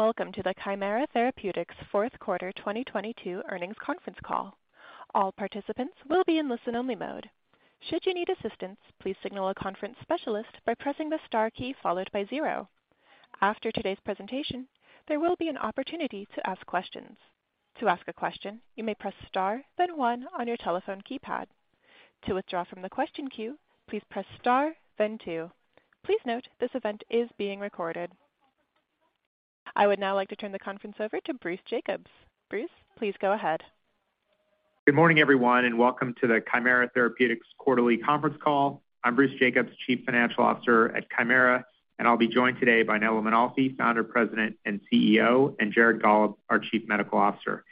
Hello, and welcome to the Kymera Therapeutics Q4 2022 Earnings Conference Call. All participants will be in listen only mode. Should you need assistance, please signal a conference specialist by pressing the star key followed by zero. After today's presentation, there will be an opportunity to ask questions. To ask a question, you may press star then one on your telephone keypad. To withdraw from the question queue, please press star then two. Please note this event is being recorded. I would now like to turn the conference over to Bruce Jacobs. Bruce, please go ahead. Good morning, everyone, and welcome to the Kymera Therapeutics Quarterly Conference Call. I'm Bruce Jacobs, Chief Financial Officer at Kymera, and I'll be joined today by Nello Mainolfi, Founder, President, and CEO, and Jared Gollob, our Chief Medical Officer.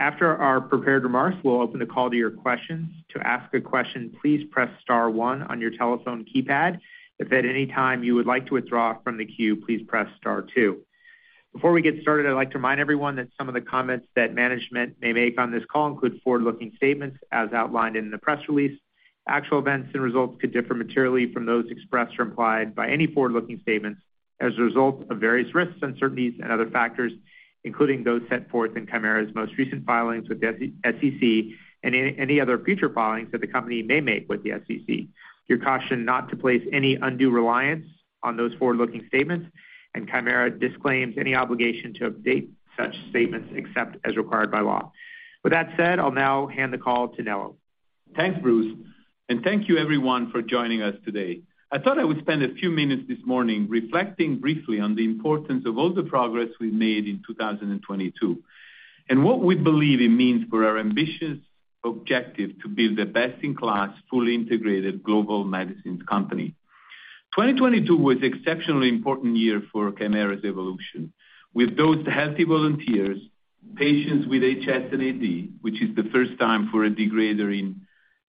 After our prepared remarks, we'll open the call to your questions. To ask a question, please press star one on your telephone keypad. If at any time you would like to withdraw from the queue, please press star two. Before we get started, I'd like to remind everyone that some of the comments that management may make on this call include forward-looking statements as outlined in the press release. Actual events and results could differ materially from those expressed or implied by any forward-looking statements as a result of various risks, uncertainties, and other factors, including those set forth in Kymera's most recent filings with the SEC and any other future filings that the company may make with the SEC. You're cautioned not to place any undue reliance on those forward-looking statements, and Kymera disclaims any obligation to update such statements except as required by law. With that said, I'll now hand the call to Nello. Thanks, Bruce, and thank you everyone for joining us today. I thought I would spend a few minutes this morning reflecting briefly on the importance of all the progress we made in 2022, and what we believe it means for our ambitious objective to build a best-in-class, fully integrated global medicines company. 2022 was exceptionally important year for Kymera's evolution. We dosed healthy volunteers, patients with HS and AD, which is the first time for a degrader in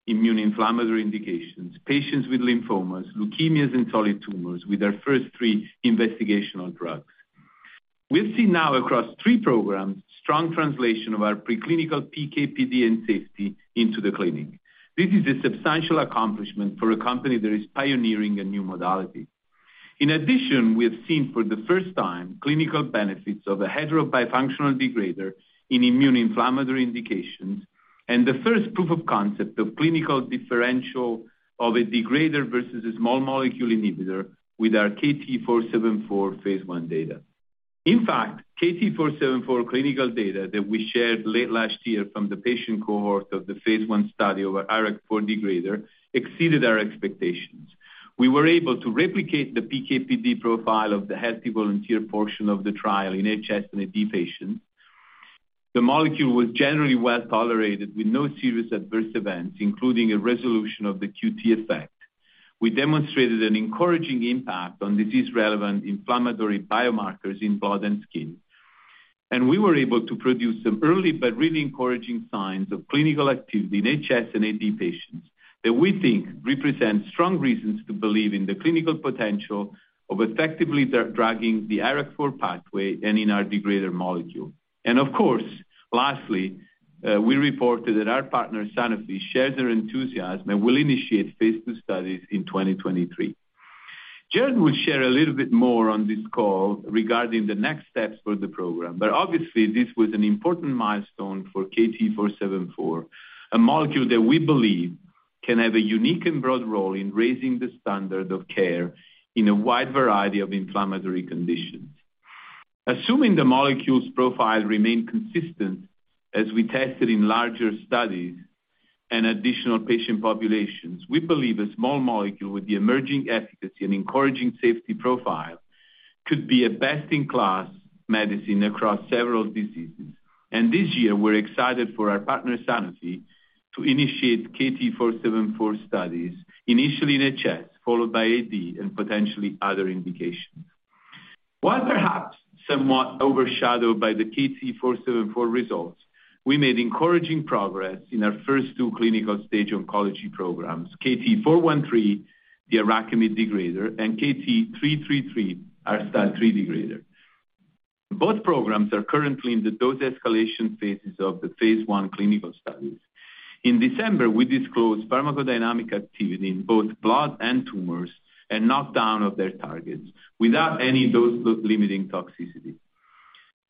immune inflammatory indications, patients with lymphomas, leukemias, and solid tumors with our first three investigational drugs. We've seen now across three programs strong translation of our preclinical PK, PD, and safety into the clinic. This is a substantial accomplishment for a company that is pioneering a new modality. In addition, we have seen for the first time clinical benefits of a heterobifunctional degrader in immune inflammatory indications and the first proof of concept of clinical differential of a degrader versus a small molecule inhibitor with our KT-474 phase I data. In fact, KT-474 clinical data that we shared late last year from the patient cohort of the phase I study of our IRAK4 degrader exceeded our expectations. We were able to replicate the PK/PD profile of the healthy volunteer portion of the trial in HS and AD patients. The molecule was generally well-tolerated with no serious adverse events, including a resolution of the QT effect. We demonstrated an encouraging impact on disease-relevant inflammatory biomarkers in blood and skin, and we were able to produce some early but really encouraging signs of clinical activity in HS and AD patients that we think represent strong reasons to believe in the clinical potential of effectively drugging the IRAK4 pathway and in our degrader molecule. Of course, lastly, we reported that our partner, Sanofi, shares their enthusiasm and will initiate phase II studies in 2023. Jared will share a little bit more on this call regarding the next steps for the program, obviously this was an important milestone for KT-474, a molecule that we believe can have a unique and broad role in raising the standard of care in a wide variety of inflammatory conditions. Assuming the molecule's profile remain consistent as we test it in larger studies and additional patient populations, we believe a small molecule with the emerging efficacy and encouraging safety profile could be a best-in-class medicine across several diseases. This year, we're excited for our partner, Sanofi, to initiate KT-474 studies, initially in HS, followed by AD and potentially other indications. While perhaps somewhat overshadowed by the KT-474 results, we made encouraging progress in our first two clinical stage oncology programs, KT-413, the IRAKIMiD degrader, and KT-333, our STAT3 degrader. Both programs are currently in the dose escalation phases of the phase I clinical studies. In December, we disclosed pharmacodynamic activity in both blood and tumors and knockdown of their targets without any dose-limiting toxicity.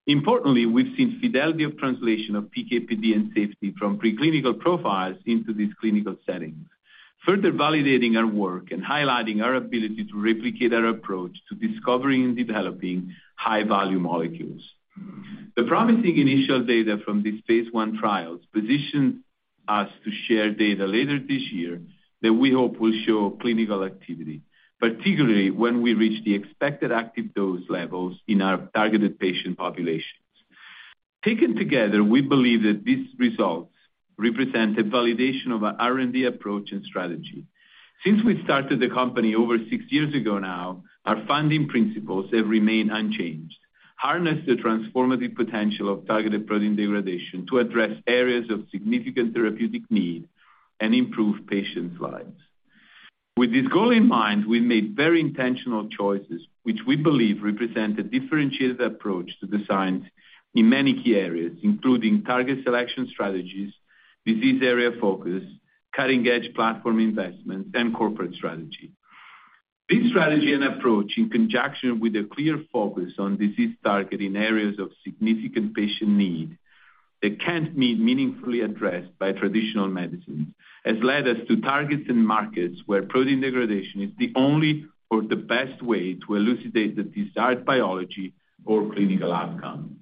Importantly, we've seen fidelity of translation of PK, PD, and safety from preclinical profiles into these clinical settings, further validating our work and highlighting our ability to replicate our approach to discovering and developing high-value molecules. The promising initial data from these phase I trials position us to share data later this year that we hope will show clinical activity, particularly when we reach the expected active dose levels in our targeted patient populations. Taken together, we believe that these results represent a validation of our R&D approach and strategy. Since we started the company over 6 years ago now, our founding principles have remained unchanged. Harness the transformative potential of targeted protein degradation to address areas of significant therapeutic need and improve patients' lives. With this goal in mind, we made very intentional choices, which we believe represent a differentiated approach to designs in many key areas, including target selection strategies, disease area focus cutting-edge platform investments and corporate strategy. This strategy and approach, in conjunction with a clear focus on disease target in areas of significant patient need that can't be meaningfully addressed by traditional medicine, has led us to targets and markets where protein degradation is the only or the best way to elucidate the desired biology or clinical outcome.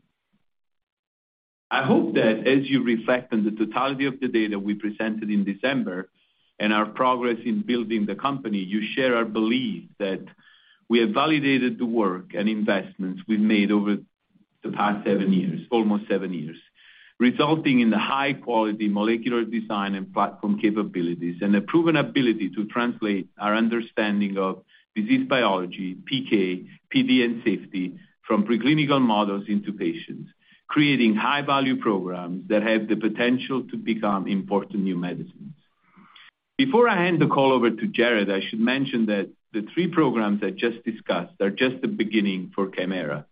I hope that as you reflect on the totality of the data we presented in December and our progress in building the company, you share our belief that we have validated the work and investments we've made over the past seven years, almost seven years, resulting in the high quality molecular design and platform capabilities, and a proven ability to translate our understanding of disease biology, PK, PD, and safety from preclinical models into patients, creating high value programs that have the potential to become important new medicines. Before I hand the call over to Jared, I should mention that the three programs I just discussed are just the beginning for Kymera.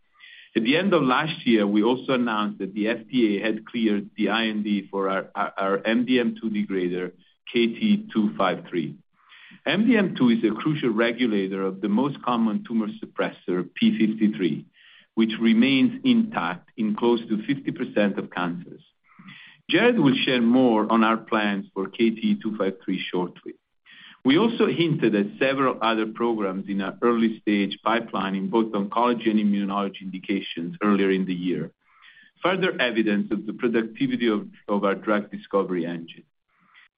At the end of last year, we also announced that the FDA had cleared the IND for our MDM2 degrader, KT-253. MDM2 is a crucial regulator of the most common tumor suppressor, p53, which remains intact in close to 50% of cancers. Jared will share more on our plans for KT-253 shortly. We also hinted at several other programs in our early-stage pipeline in both oncology and immunology indications earlier in the year, further evidence of the productivity of our drug discovery engine.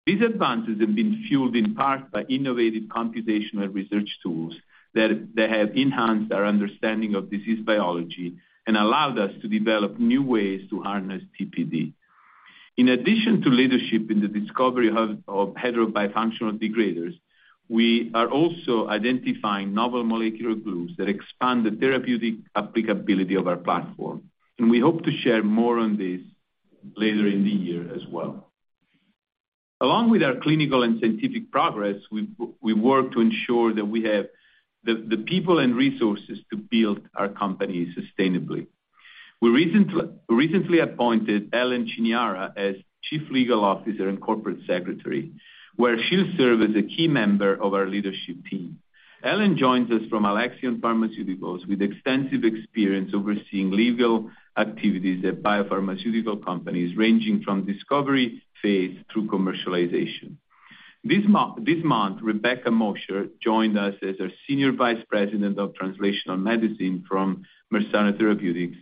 These advances have been fueled in part by innovative computational research tools that have enhanced our understanding of disease biology and allowed us to develop new ways to harness TPD. In addition to leadership in the discovery hub of heterobifunctional degraders, we are also identifying novel molecular glues that expand the therapeutic applicability of our platform, and we hope to share more on this later in the year as well. Along with our clinical and scientific progress, we've worked to ensure that we have the people and resources to build our company sustainably. We recently appointed Ellen Chiniara as Chief Legal Officer and Corporate Secretary, where she'll serve as a key member of our leadership team. Ellen joins us from Alexion Pharmaceuticals with extensive experience overseeing legal activities at biopharmaceutical companies, ranging from discovery phase through commercialization. This month, Rebecca Mosher joined us as our Senior Vice President of Translational Medicine from Mersana Therapeutics.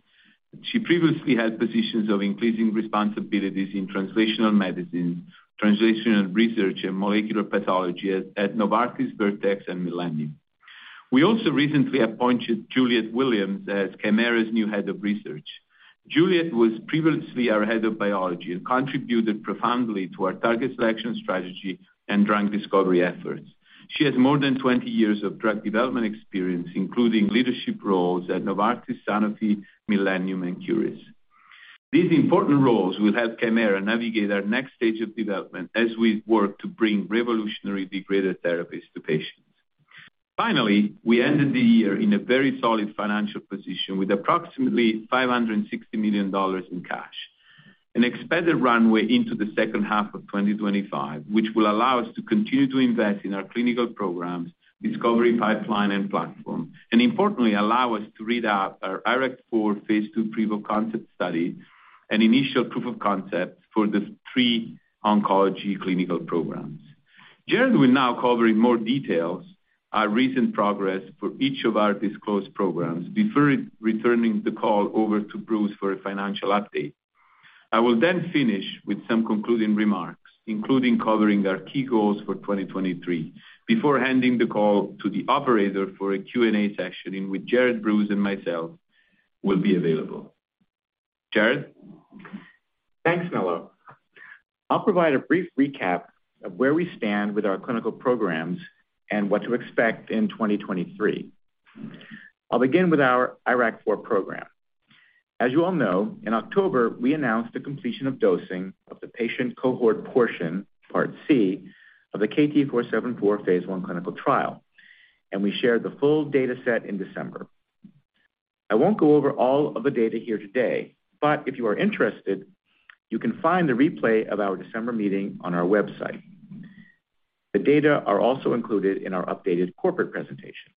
She previously held positions of increasing responsibilities in translational medicine, translational research, and molecular pathology at Novartis, Vertex, and Millennium. We also recently appointed Juliet Williams as Kymera's new Head of Research. Juliet was previously our Head of Biology and contributed profoundly to our target selection strategy and drug discovery efforts. She has more than 20 years of drug development experience, including leadership roles at Novartis, Sanofi, Millennium, and Curis. These important roles will help Kymera navigate our next stage of development as we work to bring revolutionary degraded therapies to patients. Finally, we ended the year in a very solid financial position with approximately $560 million in cash, an expanded runway into the second half of 2025, which will allow us to continue to invest in our clinical programs, discovery pipeline, and platform. Importantly, allow us to read out our IRAK4 phase 2 proof-of-concept study and initial proof of concept for the three oncology clinical programs. Jared will now cover in more details our recent progress for each of our disclosed programs before returning the call over to Bruce for a financial update. I will finish with some concluding remarks, including covering our key goals for 2023, before handing the call to the operator for a Q&A session in which Jared, Bruce, and myself will be available. Jared? Thanks, Nello. I'll provide a brief recap of where we stand with our clinical programs and what to expect in 2023. I'll begin with our IRAK4 program. As you all know, in October, we announced the completion of dosing of the patient cohort portion, part C, of the KT-474 phase 1 clinical trial, and we shared the full dataset in December. I won't go over all of the data here today, but if you are interested, you can find the replay of our December meeting on our website. The data are also included in our updated corporate presentation.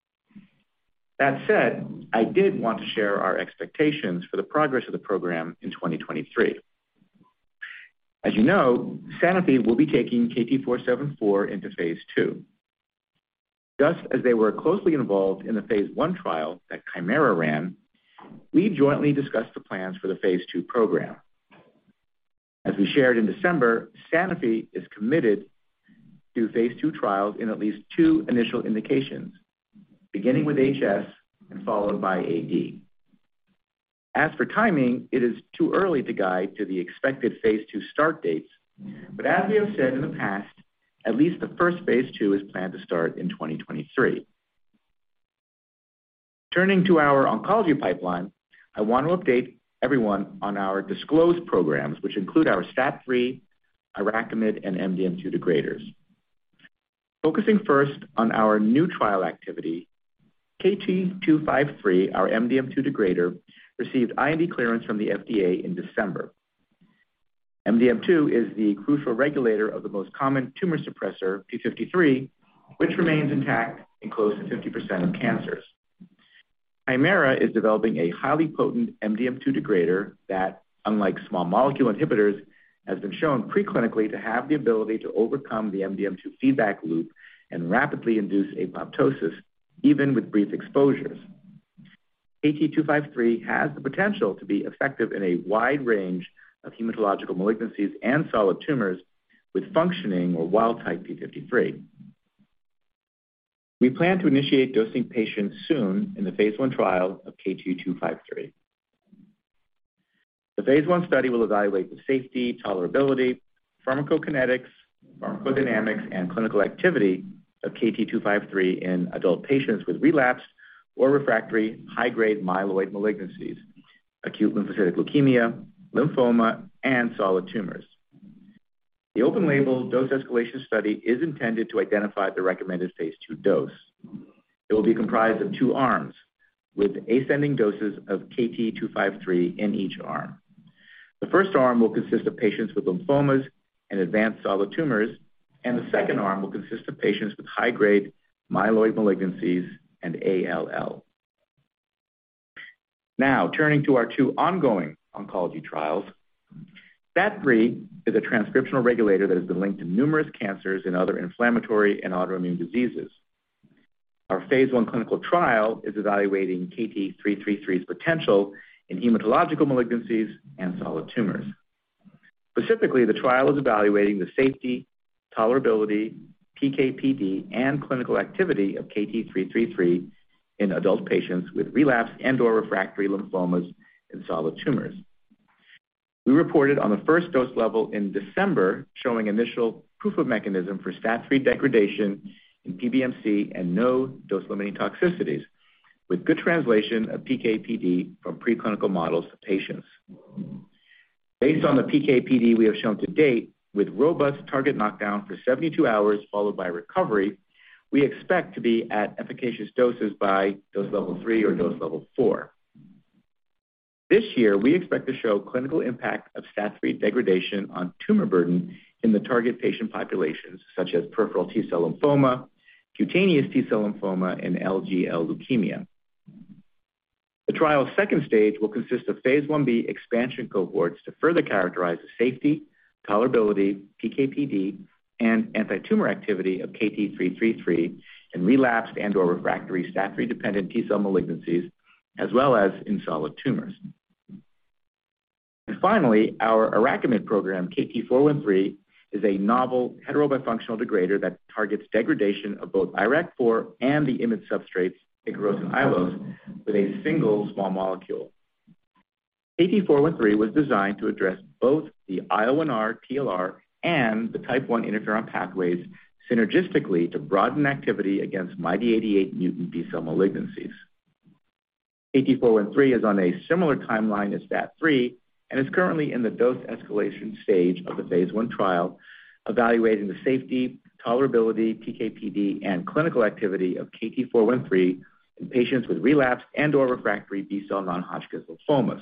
That said, I did want to share our expectations for the progress of the program in 2023. As you know, Sanofi will be taking KT-474 into phase 2. Just as they were closely involved in the phase 1 trial that Kymera ran, we jointly discussed the plans for the phase 2 program. As we shared in December, Sanofi is committed to phase 2 trials in at least two initial indications, beginning with HS and followed by AD. As for timing, it is too early to guide to the expected phase 2 start dates. As we have said in the past, at least the first phase 2 is planned to start in 2023. Turning to our oncology pipeline, I want to update everyone on our disclosed programs, which include our STAT3, IRAKIMiD, and MDM2 degraders. Focusing first on our new trial activity, KT-253, our MDM2 degrader, received IND clearance from the FDA in December. MDM2 is the crucial regulator of the most common tumor suppressor, p53, which remains intact in close to 50% of cancers. Kymera is developing a highly potent MDM2 degrader that, unlike small molecule inhibitors, has been shown pre-clinically to have the ability to overcome the MDM2 feedback loop and rapidly induce apoptosis even with brief exposures. KT253 has the potential to be effective in a wide range of hematological malignancies and solid tumors with functioning or wild-type p53. We plan to initiate dosing patients soon in the phase I trial of KT253. The phase I study will evaluate the safety, tolerability, pharmacokinetics, pharmacodynamics, and clinical activity of KT253 in adult patients with relapsed or refractory high-grade myeloid malignancies, acute lymphocytic leukemia, lymphoma, and solid tumors. The open label dose escalation study is intended to identify the recommended phase II dose. It will be comprised of two arms with ascending doses of KT253 in each arm. The first arm will consist of patients with lymphomas and advanced solid tumors, and the second arm will consist of patients with high-grade myeloid malignancies and ALL. Turning to our two ongoing oncology trials. STAT3 is a transcriptional regulator that has been linked to numerous cancers and other inflammatory and autoimmune diseases. Our phase I clinical trial is evaluating KT-333's potential in hematological malignancies and solid tumors. Specifically, the trial is evaluating the safety, tolerability, PK/PD, and clinical activity of KT-333 in adult patients with relapsed and/or refractory lymphomas and solid tumors. We reported on the first dose level in December, showing initial proof of mechanism for STAT3 degradation in PBMC and no dose-limiting toxicities, with good translation of PK/PD from preclinical models to patients. Based on the PK/PD we have shown to date, with robust target knockdown for 72 hours followed by recovery, we expect to be at efficacious doses by dose level 3 or dose level 4. This year, we expect to show clinical impact of STAT3 degradation on tumor burden in the target patient populations such as peripheral T-cell lymphoma, cutaneous T-cell lymphoma, and LGL leukemia. The trial's second stage will consist of phase Ib expansion cohorts to further characterize the safety, tolerability, PK/PD, and antitumor activity of KT-333 in relapsed and/or refractory STAT3-dependent T-cell malignancies, as well as in solid tumors. Finally, our IRAKIMiD program, KT-413, is a novel heterobifunctional degrader that targets degradation of both IRAK4 and the IMiD substrates, Ikaros and Aiolos, with a single small molecule. KT-413 was designed to address both the IL-1R/TLR and the type I interferon pathways synergistically to broaden activity against MYD88 mutant B-cell malignancies. KT-413 is on a similar timeline as STAT3 and is currently in the dose escalation stage of the phase I trial, evaluating the safety, tolerability, PK/PD, and clinical activity of KT-413 in patients with relapsed and/or refractory B-cell non-Hodgkin's lymphomas.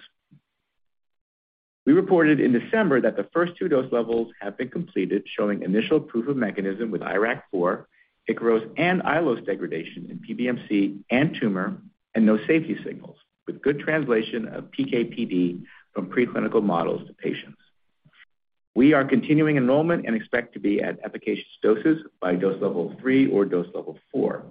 We reported in December that the first two dose levels have been completed, showing initial proof of mechanism with IRAK4, Ikaros, and Aiolos degradation in PBMC and tumor and no safety signals, with good translation of PK/PD from preclinical models to patients. We are continuing enrollment and expect to be at efficacious doses by dose level three or dose level four.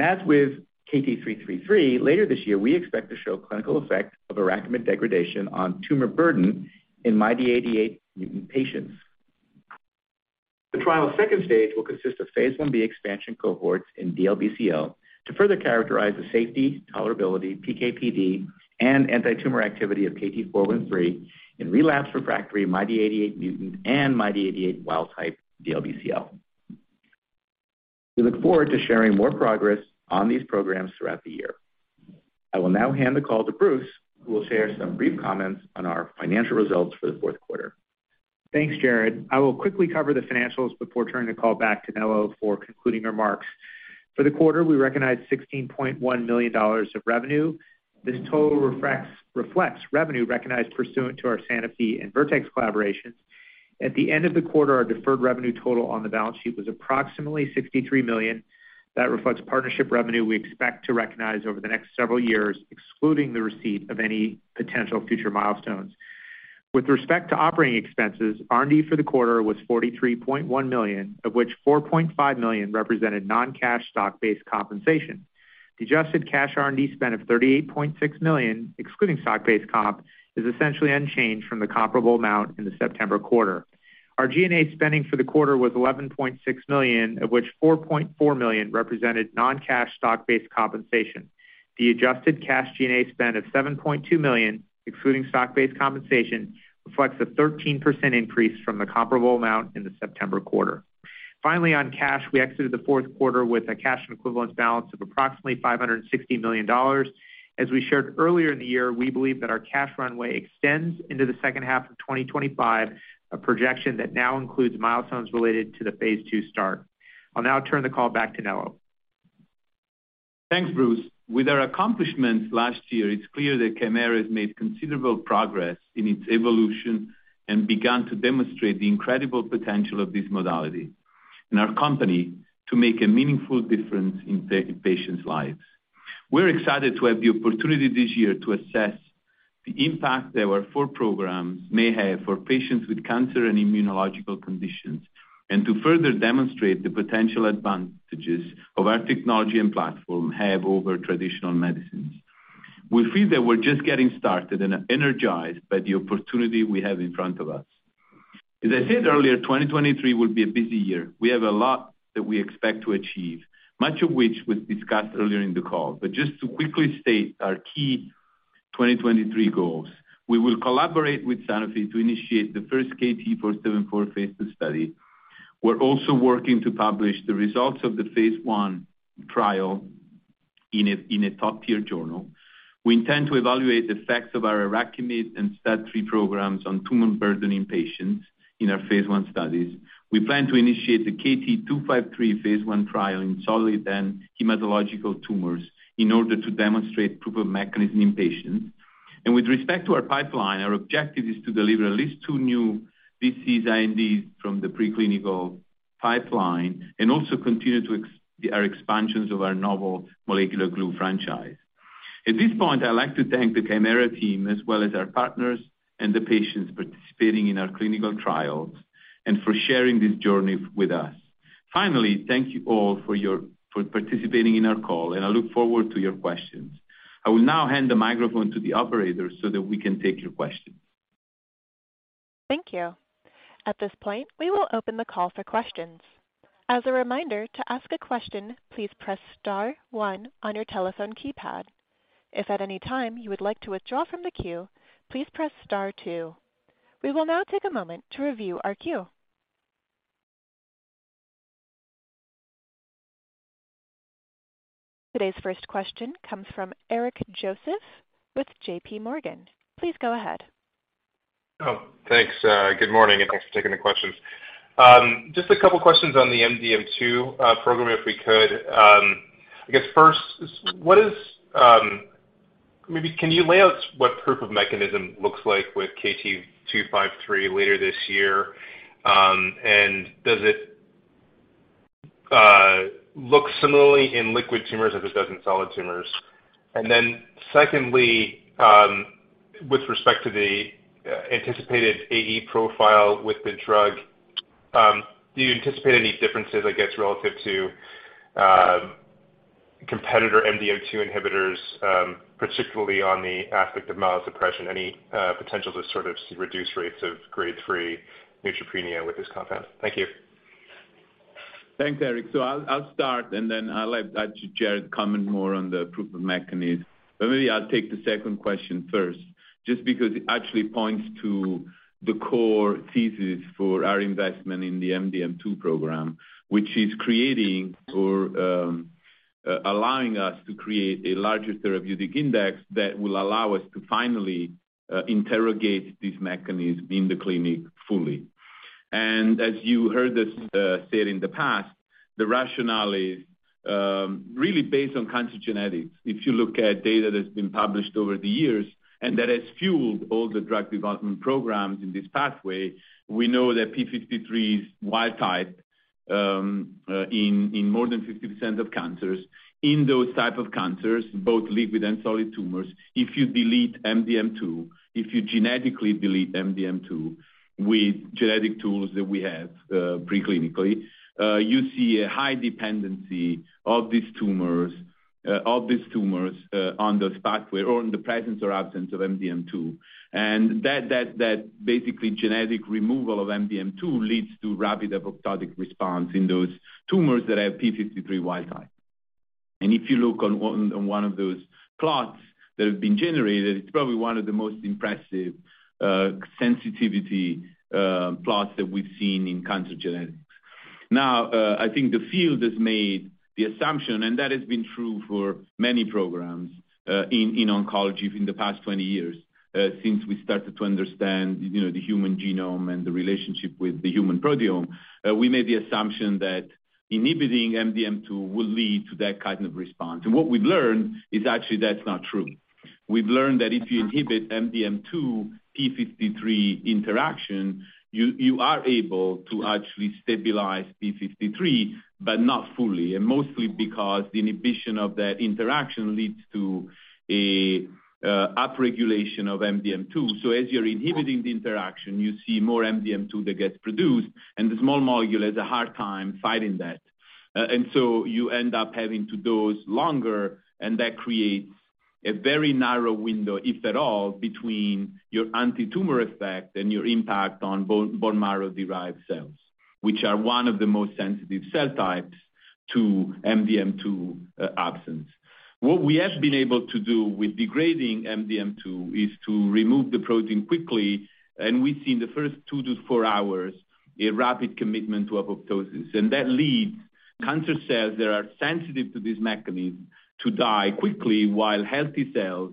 As with KT-333, later this year, we expect to show clinical effect of IRAKIMiD degradation on tumor burden in MYD88 mutant patients. The trial's second stage will consist of Phase Ib expansion cohorts in DLBCL to further characterize the safety, tolerability, PK/PD, and antitumor activity of KT-413 in relapse refractory MYD88 mutant and MYD88 wild-type DLBCL. We look forward to sharing more progress on these programs throughout the year. I will now hand the call to Bruce, who will share some brief comments on our financial results for the Q4. Thanks, Jared. I will quickly cover the financials before turning the call back to Nello for concluding remarks. For the quarter, we recognized $16.1 million of revenue. This total reflects revenue recognized pursuant to our Sanofi and Vertex collaborations. At the end of the quarter, our deferred revenue total on the balance sheet was approximately $63 million. That reflects partnership revenue we expect to recognize over the next several years, excluding the receipt of any potential future milestones. With respect to operating expenses, R&D for the quarter was $43.1 million, of which $4.5 million represented non-cash stock-based compensation. The adjusted cash R&D spend of $38.6 million, excluding stock-based comp, is essentially unchanged from the comparable amount in the September quarter. Our G&A spending for the quarter was $11.6 million, of which $4.4 million represented non-cash stock-based compensation. The adjusted cash G&A spend of $7.2 million, excluding stock-based compensation, reflects a 13% increase from the comparable amount in the September quarter. On cash, we exited the fourth quarter with a cash and equivalent balance of approximately $560 million. As we shared earlier in the year, we believe that our cash runway extends into the second half of 2025, a projection that now includes milestones related to the phase II start. I'll now turn the call back to Nello. Thanks, Bruce. With our accomplishments last year, it's clear that Kymera has made considerable progress in its evolution and begun to demonstrate the incredible potential of this modality and our company to make a meaningful difference in patients' lives. We're excited to have the opportunity this year to assess the impact that our four programs may have for patients with cancer and immunological conditions, and to further demonstrate the potential advantages of our technology and platform have over traditional medicines. We feel that we're just getting started and are energized by the opportunity we have in front of us. As I said earlier, 2023 will be a busy year. We have a lot that we expect to achieve, much of which was discussed earlier in the call. Just to quickly state our key 2023 goals, we will collaborate with Sanofi to initiate the first KT-474 phase 2 study. We're also working to publish the results of the phase I trial in a top-tier journal. We intend to evaluate the effects of our IRAKIMiD and STAT3 programs on tumor burden in patients in our phase I studies. We plan to initiate the KT-253 phase I trial in solid and hematological tumors in order to demonstrate proof of mechanism in patients. With respect to our pipeline, our objective is to deliver at least two new BC-INDs from the preclinical pipeline and also continue our expansions of our novel molecular glue franchise. At this point, I'd like to thank the Kymera team as well as our partners and the patients participating in our clinical trials, and for sharing this journey with us. Thank you all for participating in our call, and I look forward to your questions. I will now hand the microphone to the operator so that we can take your questions. Thank you. At this point, we will open the call for questions. As a reminder, to ask a question, please press star one on your telephone keypad. If at any time you would like to withdraw from the queue, please press star two. We will now take a moment to review our queue. Today's first question comes from Eric Joseph with JPMorgan. Please go ahead. Oh, thanks. Good morning, and thanks for taking the questions. Just a couple questions on the MDM2 program, if we could. I guess first, what is... Maybe can you lay out what proof of mechanism looks like with KT-253 later this year? Does it look similarly in liquid tumors as it does in solid tumors? Secondly, with respect to the anticipated AE profile with the drug, do you anticipate any differences, I guess, relative to competitor MDM2 inhibitors, particularly on the aspect of myelosuppression, any potential to sort of see reduced rates of grade 3 neutropenia with this content? Thank you. Thanks, Eric. I'll start, and then I'll let Dr. Jared comment more on the proof of mechanism. Maybe I'll take the second question first, just because it actually points to the core thesis for our investment in the MDM2 program, which is creating or allowing us to create a larger therapeutic index that will allow us to finally interrogate this mechanism in the clinic fully. As you heard us say it in the past, the rationale is really based on cancer genetics. If you look at data that's been published over the years and that has fueled all the drug development programs in this pathway, we know that p53 is wild type in more than 50% of cancers. In those type of cancers, both liquid and solid tumors, if you delete MDM2, if you genetically delete MDM2 with genetic tools that we have, preclinically, you see a high dependency of these tumors, on those pathway or in the presence or absence of MDM2. That basically genetic removal of MDM2 leads to rapid apoptotic response in those tumors that have p53 wild type. If you look on one of those plots that have been generated, it's probably one of the most impressive sensitivity plots that we've seen in cancer genetics. Now, I think the field has made the assumption, that has been true for many programs in oncology in the past 20 years, since we started to understand, you know, the human genome and the relationship with the human proteome. We made the assumption that inhibiting MDM2 will lead to that kind of response. What we've learned is actually that's not true. We've learned that if you inhibit MDM2 p53 interaction, you are able to actually stabilize p53, but not fully, and mostly because the inhibition of that interaction leads to a upregulation of MDM2. As you're inhibiting the interaction, you see more MDM2 that gets produced, and the small molecule has a hard time fighting that. You end up having to dose longer, and that creates a very narrow window, if at all, between your antitumor effect and your impact on bone marrow-derived cells, which are one of the most sensitive cell types to MDM2, absence. What we have been able to do with degrading MDM2 is to remove the protein quickly, and we've seen the first two to four hours a rapid commitment to apoptosis. That leads cancer cells that are sensitive to this mechanism to die quickly while healthy cells.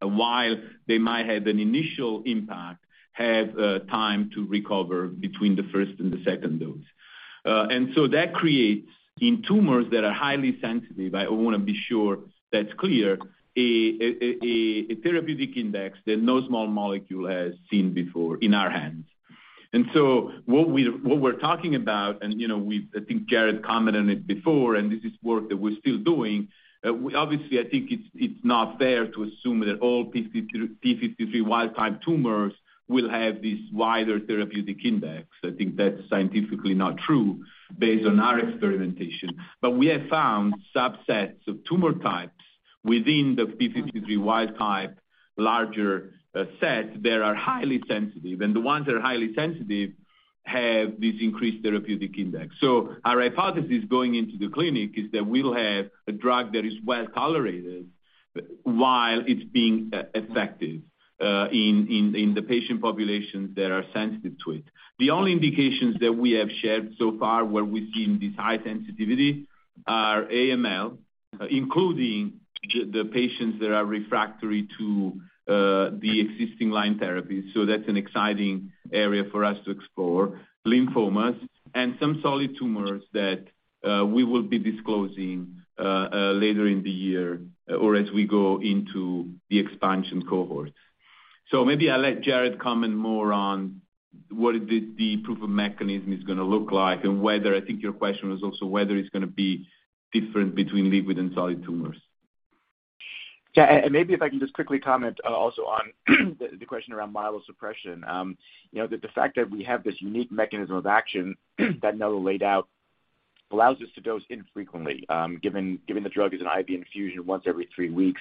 While they might have an initial impact, have time to recover between the first and the second dose. That creates in tumors that are highly sensitive, I wanna be sure that's clear, a therapeutic index that no small molecule has seen before in our hands. What we're talking about, and, you know, I think Jared commented on it before, and this is work that we're still doing. Obviously, I think it's not fair to assume that all p53 wild type tumors will have this wider therapeutic index. I think that's scientifically not true based on our experimentation. We have found subsets of tumor types within the p53 wild type larger set that are highly sensitive, and the ones that are highly sensitive have this increased therapeutic index. Our hypothesis going into the clinic is that we'll have a drug that is well-tolerated while it's being effective in the patient populations that are sensitive to it. The only indications that we have shared so far where we've seen this high sensitivity are AML, including the patients that are refractory to the existing line therapy. That's an exciting area for us to explore. Lymphomas and some solid tumors that we will be disclosing later in the year or as we go into the expansion cohort. Maybe I'll let Jared comment more on what the proof of mechanism is gonna look like and whether I think your question was also whether it's gonna be different between liquid and solid tumors. Yeah. Maybe if I can just quickly comment also on the question around myelosuppression. You know, the fact that we have this unique mechanism of action that Nel laid out allows us to dose infrequently, given the drug is an IV infusion once every 3 weeks.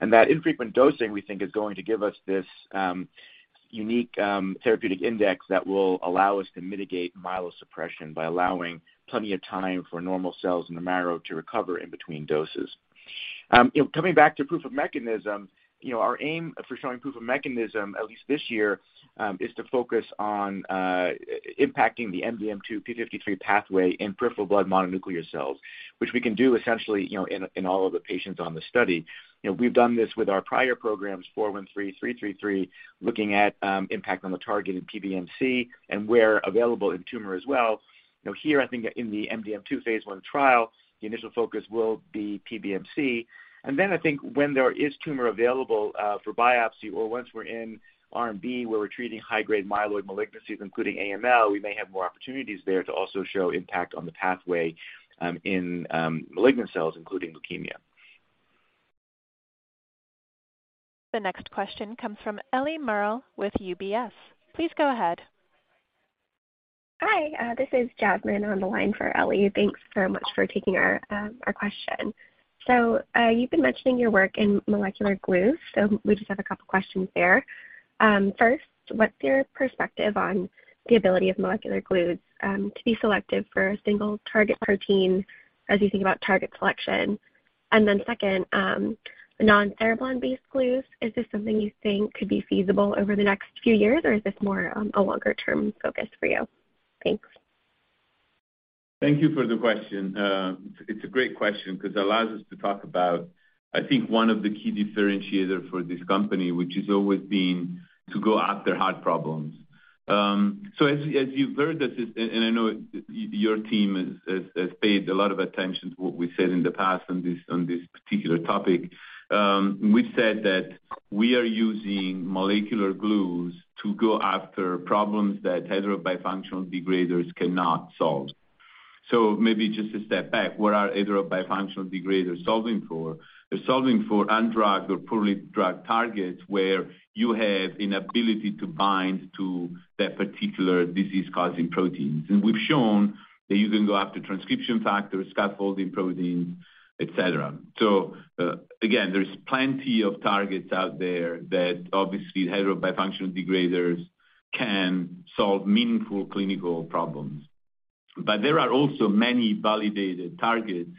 That infrequent dosing, we think, is going to give us this unique therapeutic index that will allow us to mitigate myelosuppression by allowing plenty of time for normal cells in the marrow to recover in between doses. You know, coming back to proof of mechanism, you know, our aim for showing proof of mechanism, at least this year, is to focus on impacting the MDM2-p53 pathway in peripheral blood mononuclear cells, which we can do essentially, you know, in all of the patients on the study. You know, we've done this with our prior programs, 413, 333, looking at impact on the targeted PBMC and where available in tumor as well. You know, here I think in the MDM2 phase 1 trial, the initial focus will be PBMC. Then I think when there is tumor available for biopsy or once we're in RMB, where we're treating high-grade myeloid malignancies, including AML, we may have more opportunities there to also show impact on the pathway in malignant cells, including leukemia. The next question comes from Eliana Merle with UBS. Please go ahead. Hi, this is Jasmine on the line for Ellie. Thanks so much for taking our question. You've been mentioning your work in molecular glue, so we just have a couple questions there. First, what's your perspective on the ability of molecular glues to be selective for a single target protein as you think about target selection? Second, non-Cereblon-based glues, is this something you think could be feasible over the next few years, or is this more a longer-term focus for you? Thanks. Thank you for the question. It's a great question 'cause it allows us to talk about, I think, one of the key differentiator for this company, which has always been to go after hard problems. As you've heard us, and I know your team has paid a lot of attention to what we said in the past on this, on this particular topic. We've said that we are using molecular glues to go after problems that heterobifunctional degraders cannot solve. Maybe just to step back, what are heterobifunctional degraders solving for? They're solving for undrugged or poorly drugged targets where you have inability to bind to that particular disease-causing proteins. We've shown that you can go after transcription factors, scaffolding proteins, et cetera. Again, there's plenty of targets out there that obviously heterobifunctional degraders can solve meaningful clinical problems. There are also many validated targets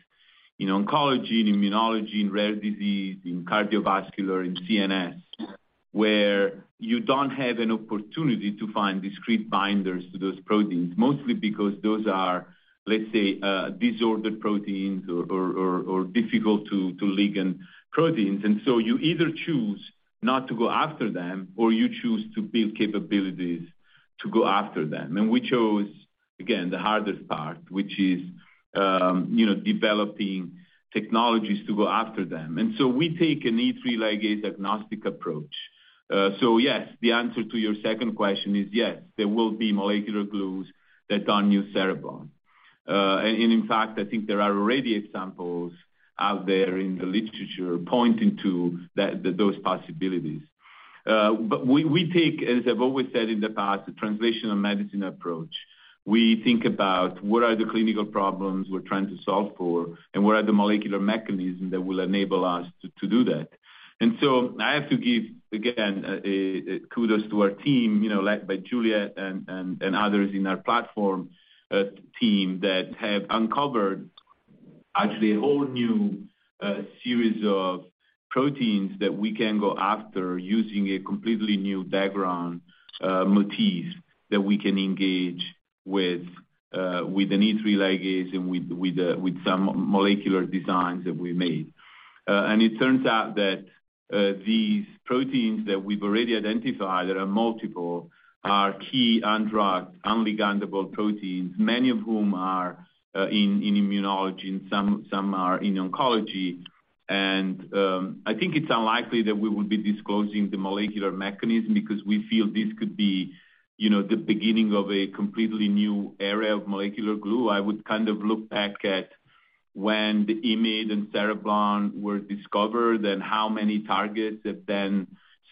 in oncology and immunology, in rare disease, in cardiovascular, in CNS, where you don't have an opportunity to find discrete binders to those proteins, mostly because those are, let's say, disordered proteins or difficult to ligand proteins. You either choose not to go after them, or you choose to build capabilities to go after them. We chose, again, the hardest part, which is, you know, developing technologies to go after them. We take an E3 ligase-agnostic approach. Yes, the answer to your second question is yes, there will be molecular glues that aren't new cereblon. In fact, I think there are already examples out there in the literature pointing to that, those possibilities. We take, as I've always said in the past, a translational medicine approach. We think about what are the clinical problems we're trying to solve for, and what are the molecular mechanism that will enable us to do that. I have to give, again, kudos to our team, you know, led by Juliet and others in our platform team that have uncovered actually a whole new series of proteins that we can go after using a completely new background, motifs that we can engage with an E3 ligase and with some molecular designs that we made. It turns out that these proteins that we've already identified, there are multiple, are key undrugged, unligandable proteins, many of whom are in immunology and some are in oncology. I think it's unlikely that we will be disclosing the molecular mechanism because we feel this could be, you know, the beginning of a completely new area of molecular glue. I would kind of look back at when the IMiD and Cereblon were discovered and how many targets have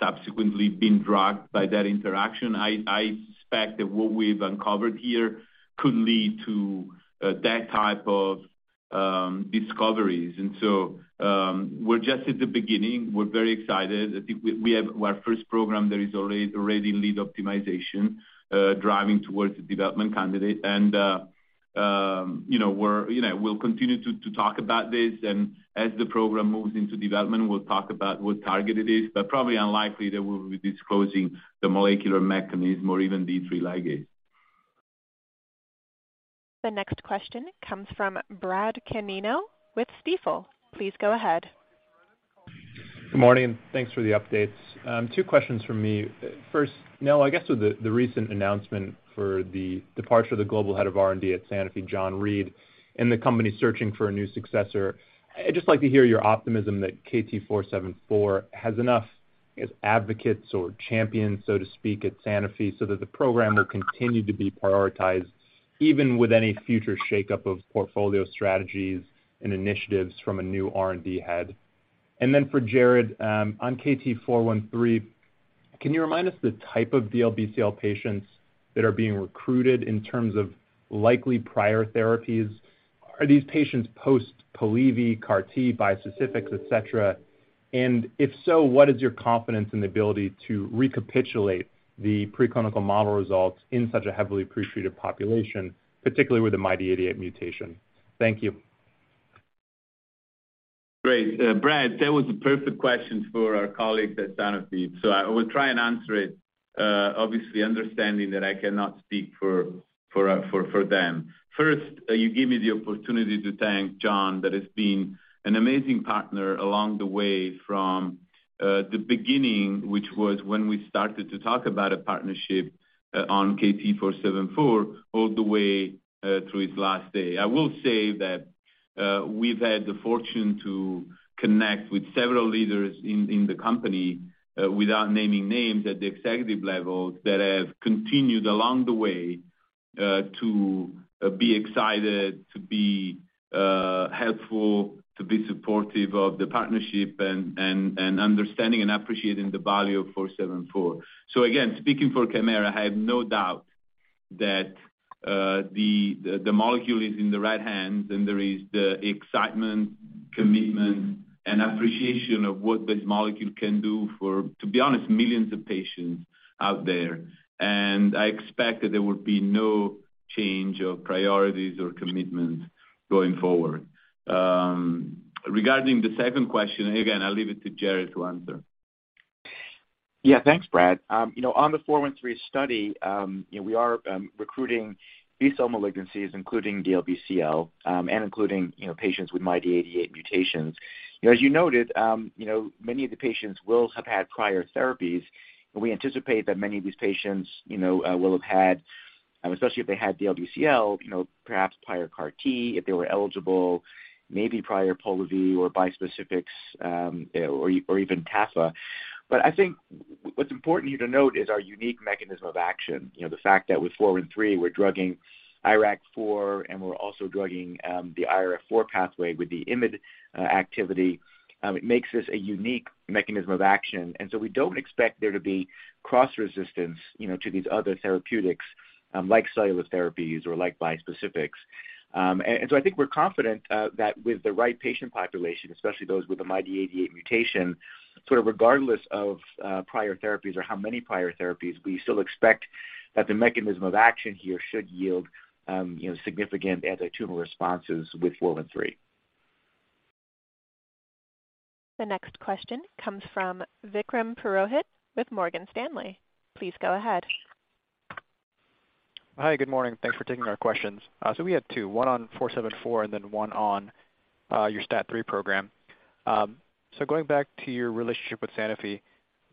then subsequently been drugged by that interaction. I suspect that what we've uncovered here could lead to that type of discoveries. We're just at the beginning. We're very excited. I think we have our first program that is already in lead optimization driving towards a development candidate. you know, we're, you know, we'll continue to talk about this, and as the program moves into development, we'll talk about what target it is, but probably unlikely that we'll be disclosing the molecular mechanism or even the E3 ligase. The next question comes from Bradley Canino with Stifel. Please go ahead. Good morning, and thanks for the updates. Two questions from me. First, Nello, I guess with the recent announcement for the departure of the global head of R&D at Sanofi, John Reed, and the company searching for a new successor, I'd just like to hear your optimism that KT-474 has enough, I guess, advocates or champions, so to speak, at Sanofi, so that the program will continue to be prioritized even with any future shakeup of portfolio strategies and initiatives from a new R&D head. For Jared, on KT-413, can you remind us the type of DLBCL patients that are being recruited in terms of likely prior therapies? Are these patients post-Polivy, CAR T, bispecifics, et cetera? If so, what is your confidence in the ability to recapitulate the preclinical model results in such a heavily appreciated population, particularly with the MYD88 mutation? Thank you. Great. Brad, that was a perfect question for our colleagues at Sanofi. I will try and answer it, obviously understanding that I cannot speak for them. First, you give me the opportunity to thank John that has been an amazing partner along the way from the beginning, which was when we started to talk about a partnership on KT-474, all the way through his last day. I will say that we've had the fortune to connect with several leaders in the company, without naming names, at the executive level that have continued along the way to be excited, to be helpful, to be supportive of the partnership and understanding and appreciating the value of 474. Again, speaking for Kymera, I have no doubt that the molecule is in the right hands and there is the excitement, commitment and appreciation of what this molecule can do for, to be honest, millions of patients out there. I expect that there will be no change of priorities or commitments going forward. Regarding the second question, again, I'll leave it to Jared to answer. Yeah. Thanks, Brad. You know, on the KT-413 study, you know, we are recruiting B-cell malignancies, including DLBCL, and including, you know, patients with MYD88 mutations. You know, as you noted, you know, many of the patients will have had prior therapies. We anticipate that many of these patients, you know, will have had, and especially if they had DLBCL, you know, perhaps prior CAR T, if they were eligible, maybe prior Polivy or even Tafasitamab. I think what's important here to note is our unique mechanism of action. You know, the fact that with KT-413, we're drugging IRAK4, and we're also drugging the IRF4 pathway with the IMiD activity, it makes this a unique mechanism of action. We don't expect there to be cross resistance, you know, to these other therapeutics, like cellular therapies or like bispecifics. I think we're confident that with the right patient population, especially those with the MYD88 mutation, sort of regardless of prior therapies or how many prior therapies, we still expect that the mechanism of action here should yield, you know, significant anti-tumor responses with four one three. The next question comes from Vikram Purohit with Morgan Stanley. Please go ahead. Hi, good morning. Thanks for taking our questions. We had two, one on KT-474, one on your STAT3 program. Going back to your relationship with Sanofi,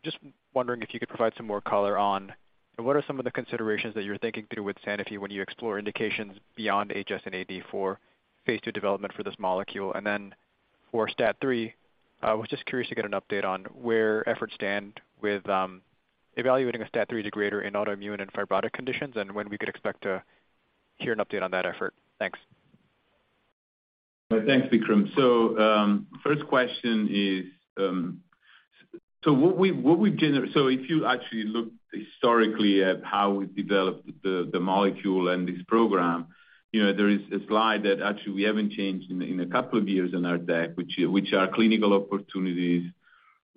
just wondering if you could provide some more color on what are some of the considerations that you're thinking through with Sanofi when you explore indications beyond HS and AD for phase 2 development for this molecule? For STAT3, I was just curious to get an update on where efforts stand with evaluating a STAT3 degrader in autoimmune and fibrotic conditions, and when we could expect to hear an update on that effort. Thanks. Thanks, Vikram. First question is, if you actually look historically at how we developed the molecule and this program, you know, there is a slide that actually we haven't changed in a couple of years in our deck, which are clinical opportunities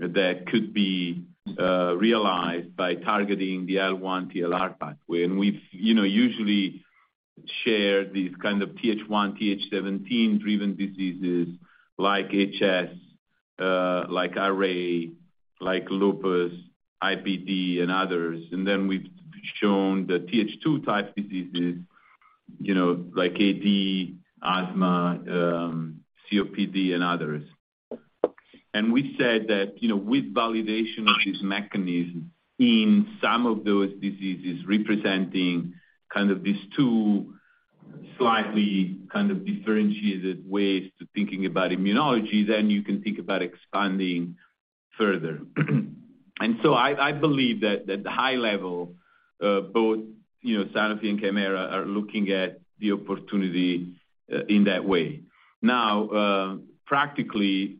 that could be realized by targeting the IL-1R/TLR pathway. We've, you know, usually shared these kind of TH1, TH17 driven diseases like HS, like RA, like lupus, IBD, and others. We've shown the TH2 type diseases, you know, like AD, asthma, COPD and others. We said that, you know, with validation of this mechanism in some of those diseases representing kind of these two slightly kind of differentiated ways to thinking about immunology, then you can think about expanding further. I believe that high level, both, you know, Sanofi and Kymera are looking at the opportunity in that way. Now, practically,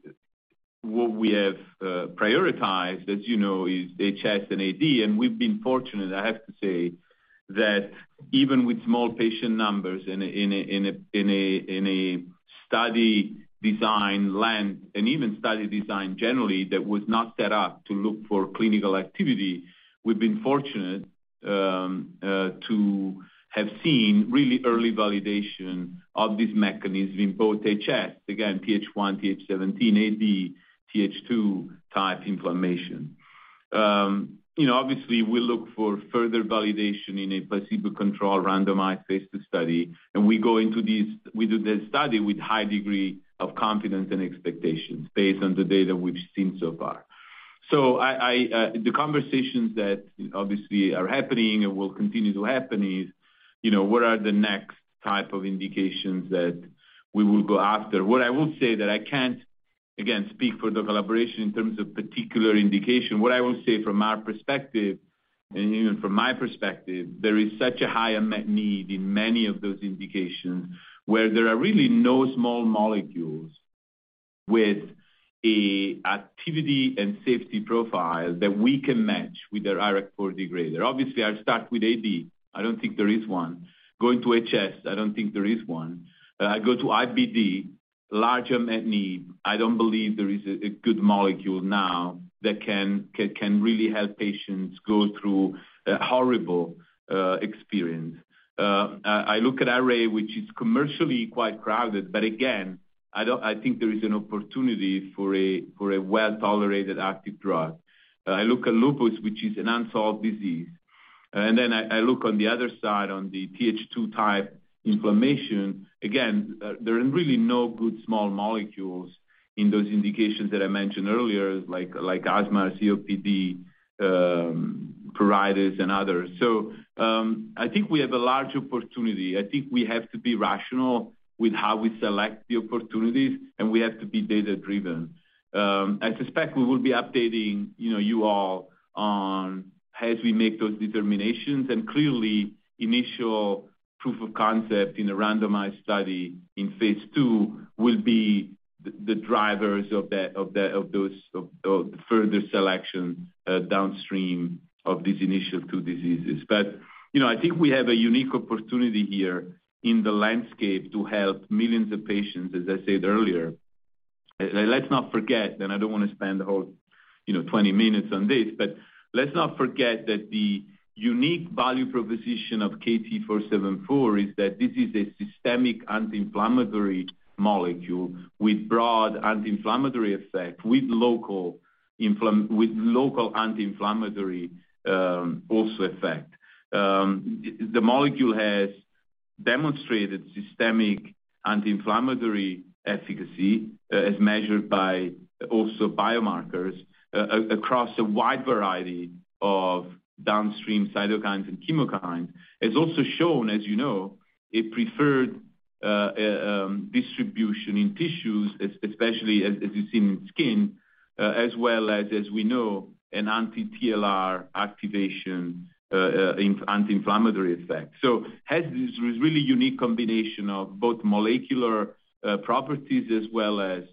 what we have prioritized, as you know, is HS and AD, and we've been fortunate, I have to say, that even with small patient numbers in a study design land and even study design generally that was not set up to look for clinical activity, we've been fortunate to have seen really early validation of this mechanism in both HS, again, TH1, TH17, AD, TH2 type inflammation. You know, obviously we look for further validation in a placebo-controlled randomized phase 2 study. We do the study with high degree of confidence and expectations based on the data we've seen so far. I, the conversations that obviously are happening and will continue to happen is, you know, what are the next type of indications that we will go after? What I will say that I can't, again, speak for the collaboration in terms of particular indication. What I will say from our perspective, and even from my perspective, there is such a high unmet need in many of those indications where there are really no small molecules with a activity and safety profile that we can match with our IRF4 degrader. Obviously, I'll start with AD. I don't think there is one. Going to HS, I don't think there is one. I go to IBD, large unmet need. I don't believe there is a good molecule now that can really help patients go through a horrible experience. I look at RA, which is commercially quite crowded, but again, I think there is an opportunity for a well-tolerated active drug. I look at lupus, which is an unsolved disease. I look on the other side on the TH2 type inflammation. Again, there are really no good small molecules in those indications that I mentioned earlier, like asthma, COPD, pruritus and others. I think we have a large opportunity. I think we have to be rational with how we select the opportunities, and we have to be data-driven. I suspect we will be updating, you know, you all on as we make those determinations. Clearly, initial proof of concept in a randomized study in phase two will be the drivers of further selection downstream of these initial two diseases. You know, I think we have a unique opportunity here in the landscape to help millions of patients, as I said earlier. Let's not forget, and I don't wanna spend a whole, you know, 20 minutes on this, let's not forget that the unique value proposition of KT474 is that this is a systemic anti-inflammatory molecule with broad anti-inflammatory effect, with local anti-inflammatory also effect. The molecule has demonstrated systemic anti-inflammatory efficacy, as measured by also biomarkers across a wide variety of downstream cytokines and chemokines. It's also shown, as you know, a preferred distribution in tissues, especially as you've seen in skin, as well as we know, an anti-TLR activation, in anti-inflammatory effect. Has this really unique combination of both molecular properties as well as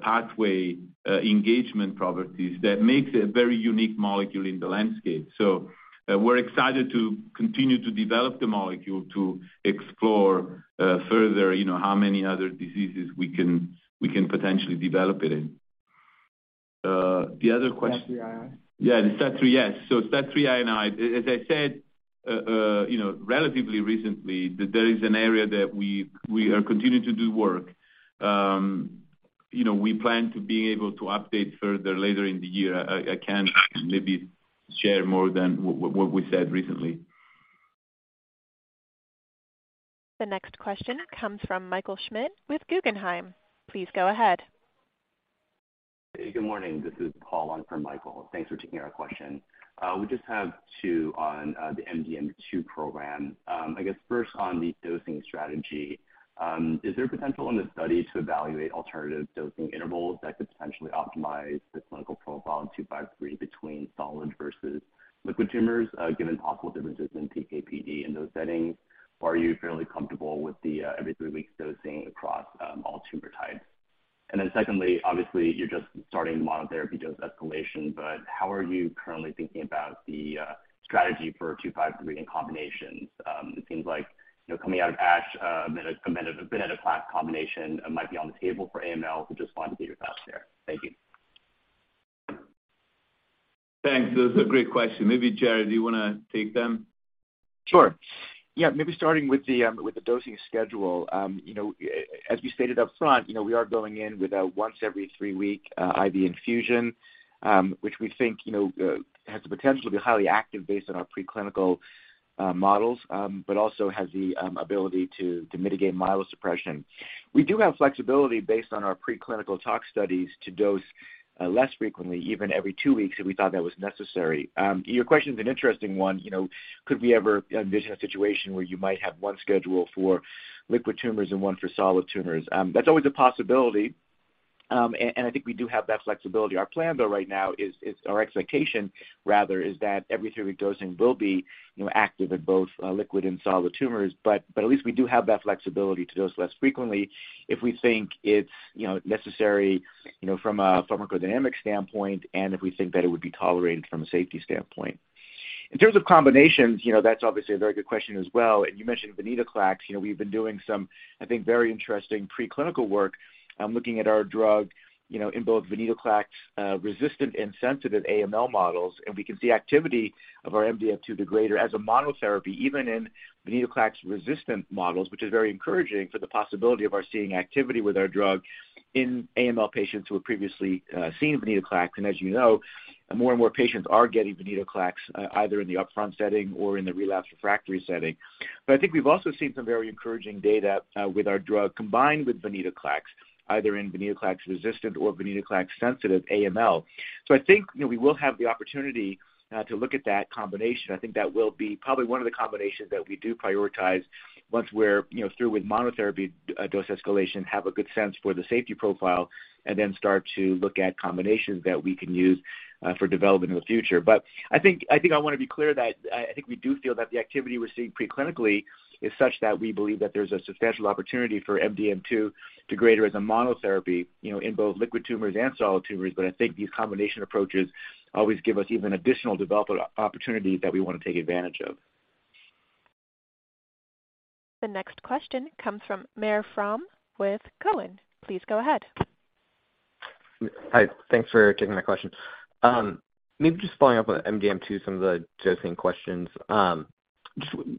pathway engagement properties that makes a very unique molecule in the landscape. We're excited to continue to develop the molecule to explore further, you know, how many other diseases we can potentially develop it in. The other question. STAT3? Yeah, the STAT3, yes. STAT3, as I said, you know, relatively recently that that is an area that we are continuing to do work. you know, we plan to be able to update further later in the year. I can't maybe share more than what we said recently. The next question comes from Michael Schmidt with Guggenheim. Please go ahead. Good morning. This is Paul on for Michael. Thanks for taking our question. We just have two on the MDM2 program. I guess first on the dosing strategy, is there potential in the study to evaluate alternative dosing intervals that could potentially optimize the clinical profile in 253 between solid versus liquid tumors, given possible differences in PK/PD in those settings? Or are you fairly comfortable with the every three week dosing across all tumor types? Secondly, obviously, you're just starting monotherapy dose escalation, but how are you currently thinking about the strategy for 253 in combinations? It seems like, you know, coming out of ASH, a bit of a class combination might be on the table for AML. Just wanted to get your thoughts there. Thank you. Thanks. That's a great question. Maybe, Jared, do you wanna take them? Sure. Maybe starting with the dosing schedule. You know, as you stated up front, you know, we are going in with a once every 3 week IV infusion, which we think, you know, has the potential to be highly active based on our preclinical models, but also has the ability to mitigate myelosuppression. We do have flexibility based on our preclinical tox studies to dose less frequently, even every 2 weeks, if we thought that was necessary. Your question is an interesting one, you know, could we ever envision a situation where you might have 1 schedule for liquid tumors and 1 for solid tumors? That's always a possibility. I think we do have that flexibility. Our plan, though, right now is our expectation rather, is that every 3-week dosing will be, you know, active at both liquid and solid tumors. At least we do have that flexibility to dose less frequently if we think it's, you know, necessary, you know, from a pharmacodynamic standpoint and if we think that it would be tolerated from a safety standpoint. In terms of combinations, you know, that's obviously a very good question as well. You mentioned Venetoclax. You know, we've been doing some, I think, very interesting preclinical work, looking at our drug, you know, in both Venetoclax resistant and sensitive AML models, and we can see activity of our MDM2 degrader as a monotherapy, even in Venetoclax-resistant models, which is very encouraging for the possibility of our seeing activity with our drug in AML patients who have previously seen Venetoclax. More and more patients are getting Venetoclax either in the upfront setting or in the relapse refractory setting. We've also seen some very encouraging data with our drug combined with Venetoclax, either in Venetoclax-resistant or Venetoclax-sensitive AML. You know, we will have the opportunity to look at that combination. I think that will be probably one of the combinations that we do prioritize once we're, you know, through with monotherapy dose escalation, have a good sense for the safety profile, and then start to look at combinations that we can use for development in the future. I think I wanna be clear that I think we do feel that the activity we're seeing preclinically is such that we believe that there's a substantial opportunity for MDM2 degrader as a monotherapy, you know, in both liquid tumors and solid tumors. I think these combination approaches always give us even additional development opportunities that we wanna take advantage of. The next question comes from Marc Frahm with Cowen. Please go ahead. Hi. Thanks for taking my question. Maybe just following up on MDM2, some of the dosing questions. Just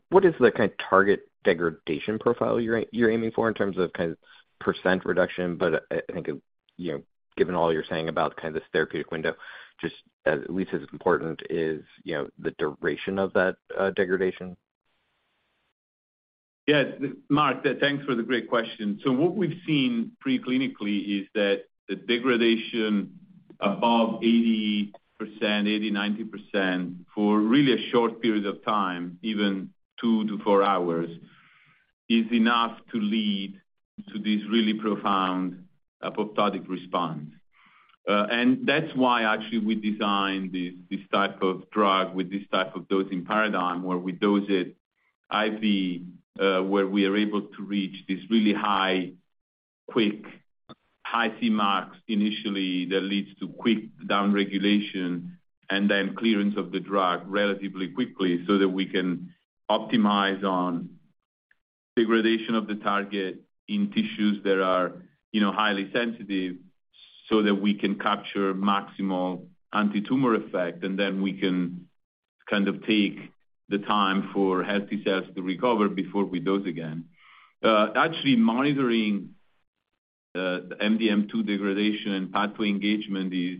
what is the kind of target degradation profile you're aiming for in terms of kind of % reduction? I think of, you know, given all you're saying about kind of this therapeutic window, just as at least as important is, you know, the duration of that degradation. Mar, thanks for the great question. What we've seen preclinically is that the degradation above 80%, 80%, 90% for really a short period of time, even 2 to 4 hours, is enough to lead to this really profound apoptotic response. That's why actually we designed this type of drug with this type of dosing paradigm where we dose it IV, where we are able to reach this really high, quick, high Cmax initially that leads to quick downregulation and then clearance of the drug relatively quickly so that we can optimize on degradation of the target in tissues that are, you know, highly sensitive so that we can capture maximal antitumor effect, and then we can kind of take the time for healthy cells to recover before we dose again. Actually monitoring the MDM2 degradation and pathway engagement is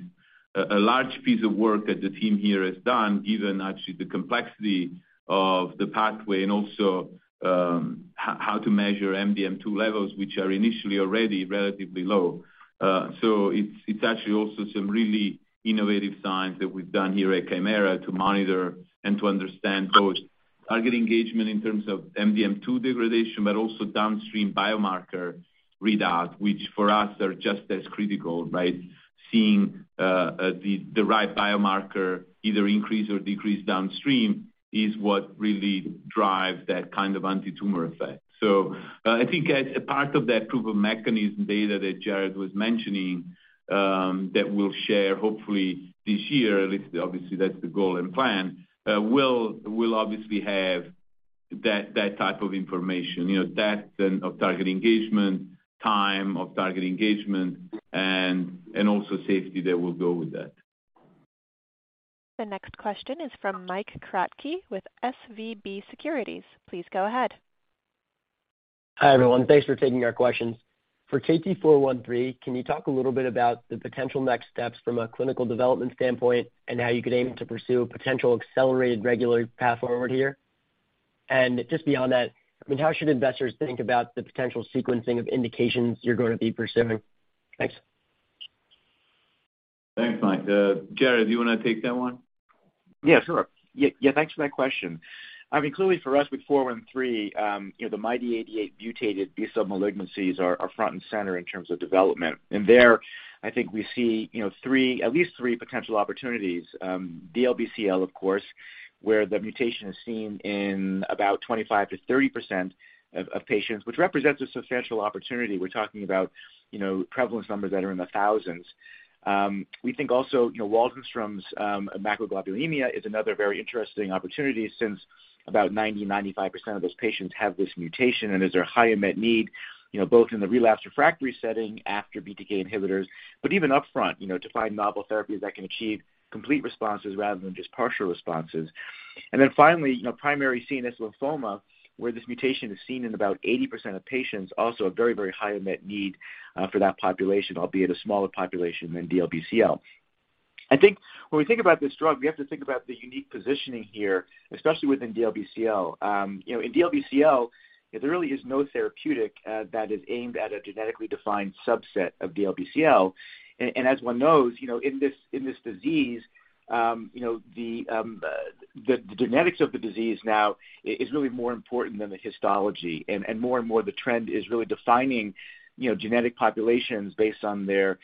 a large piece of work that the team here has done, given actually the complexity of the pathway and also how to measure MDM2 levels, which are initially already relatively low. It's actually also some really innovative science that we've done here at Kymera to monitor and to understand both target engagement in terms of MDM2 degradation, but also downstream biomarker readout, which for us are just as critical, right? Seeing the right biomarker either increase or decrease downstream is what really drives that kind of antitumor effect. I think as a part of that proof of mechanism data that Jared was mentioning, that we'll share hopefully this year, at least obviously that's the goal and plan, we'll obviously have that type of information. You know, depth and of target engagement, time of target engagement, and also safety that will go with that. The next question is from Mike Kratky with SVB Securities. Please go ahead. Hi, everyone. Thanks for taking our questions. For KT-413, can you talk a little bit about the potential next steps from a clinical development standpoint and how you could aim to pursue a potential accelerated regular path forward here? Just beyond that, I mean, how should investors think about the potential sequencing of indications you're going to be pursuing? Thanks. Thanks, Mike. Jared, do you wanna take that one? Yeah, sure. Yeah, yeah, thanks for that question. I mean, clearly for us with KT-413, you know, the MYD88-mutated B-cell malignancies are front and center in terms of development. There, I think we see, you know, at least three potential opportunities. DLBCL, of course, where the mutation is seen in about 25%-30% of patients, which represents a substantial opportunity. We're talking about, you know, prevalence numbers that are in the thousands. We think also, you know, Waldenstrom's macroglobulinemia is another very interesting opportunity since about 90%-95% of those patients have this mutation and is their high unmet need, you know, both in the relapsed refractory setting after BTK inhibitors, but even upfront, you know, to find novel therapies that can achieve complete responses rather than just partial responses. Finally, you know, primary CNS lymphoma, where this mutation is seen in about 80% of patients, also a very, very high unmet need for that population, albeit a smaller population than DLBCL. I think when we think about this drug, we have to think about the unique positioning here, especially within DLBCL. You know, in DLBCL, there really is no therapeutic that is aimed at a genetically defined subset of DLBCL. As one knows, you know, in this, in this disease, you know, the genetics of the disease now is really more important than the histology. More and more the trend is really defining, you know, genetic populations based on their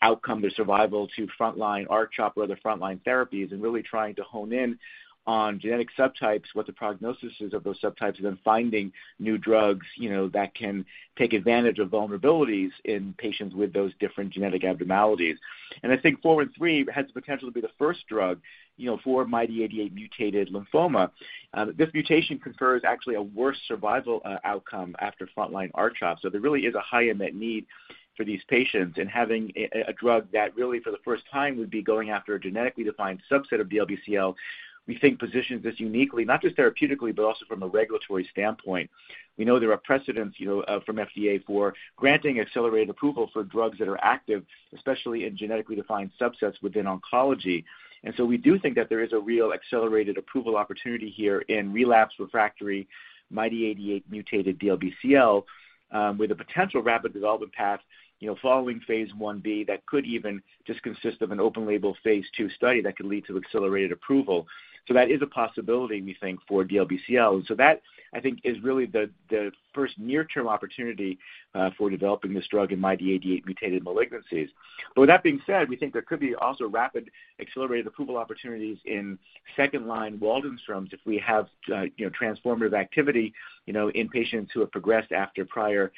outcome, their survival to frontline R-CHOP or other frontline therapies, and really trying to hone in on genetic subtypes, what the prognosis is of those subtypes, and then finding new drugs, you know, that can take advantage of vulnerabilities in patients with those different genetic abnormalities. I think 413 has the potential to be the first drug, you know, for MYD88 mutated lymphoma. This mutation confers actually a worse survival outcome after frontline R-CHOP. There really is a high unmet need for these patients. Having a drug that really for the first time would be going after a genetically defined subset of DLBCL, we think positions this uniquely, not just therapeutically, but also from a regulatory standpoint. We know there are precedents, you know, from FDA for granting accelerated approval for drugs that are active, especially in genetically defined subsets within oncology. We do think that there is a real accelerated approval opportunity here in relapse refractory MYD88 mutated DLBCL, with a potential rapid development path, you know, following phase 1B that could even just consist of an open label phase 2 study that could lead to accelerated approval. That is a possibility, we think, for DLBCL. That I think is really the first near-term opportunity for developing this drug in MYD88 mutated malignancies. With that being said, we think there could be also rapid accelerated approval opportunities in second line Waldenstrom's if we have, you know, transformative activity, you know, in patients who have progressed after prior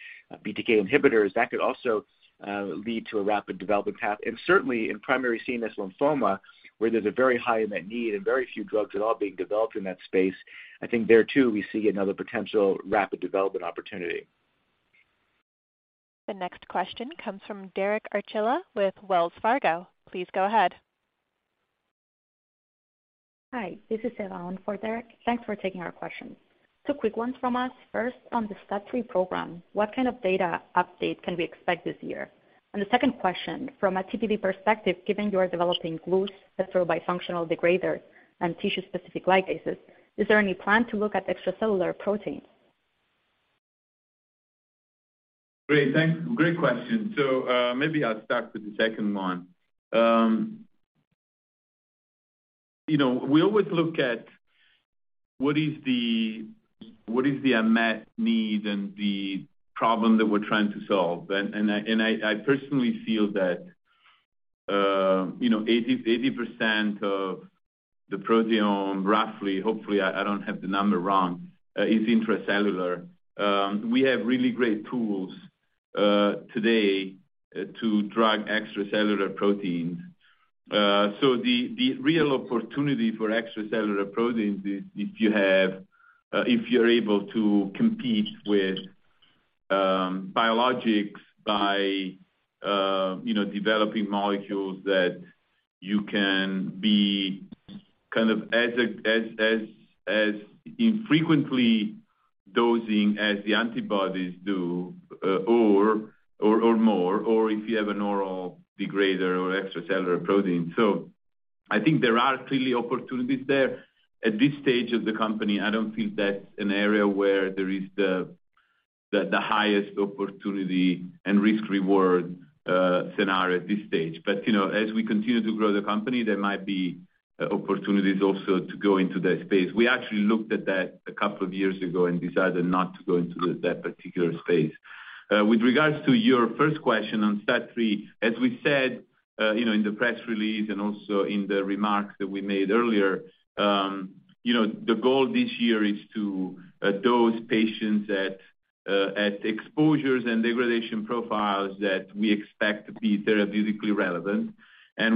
BTK inhibitors. That could also lead to a rapid development path. Certainly in primary CNS lymphoma, where there's a very high unmet need and very few drugs at all being developed in that space, I think there too, we see another potential rapid development opportunity. The next question comes from Derek Archila with Wells Fargo. Please go ahead. Hi, this is Yvonne for Derek. Thanks for taking our questions. Two quick ones from us. First, on the STAT3 program, what kind of data update can we expect this year? The second question, from a TPD perspective, given you are developing glues, heterobifunctional degrader, and tissue-specific ligases, is there any plan to look at extracellular proteins? Great. Thanks. Great question. Maybe I'll start with the second one. You know, we always look at what is the unmet need and the problem that we're trying to solve. I personally feel that, you know, 80% of the proteome, roughly, hopefully, I don't have the number wrong, is intracellular. We have really great tools today to drug extracellular proteins. The real opportunity for extracellular proteins is if you have, if you're able to compete with biologics by, you know, developing molecules that you can be kind of as infrequently dosing as the antibodies do, or more, or if you have an oral degrader or extracellular protein. I think there are clearly opportunities there. At this stage of the company, I don't think that's an area where there is the highest opportunity and risk reward scenario at this stage. You know, as we continue to grow the company, there might be opportunities also to go into that space. We actually looked at that a couple of years ago and decided not to go into that particular space. With regards to your first question on STAT3, as we said, you know, in the press release and also in the remarks that we made earlier, you know, the goal this year is to dose patients at exposures and degradation profiles that we expect to be therapeutically relevant.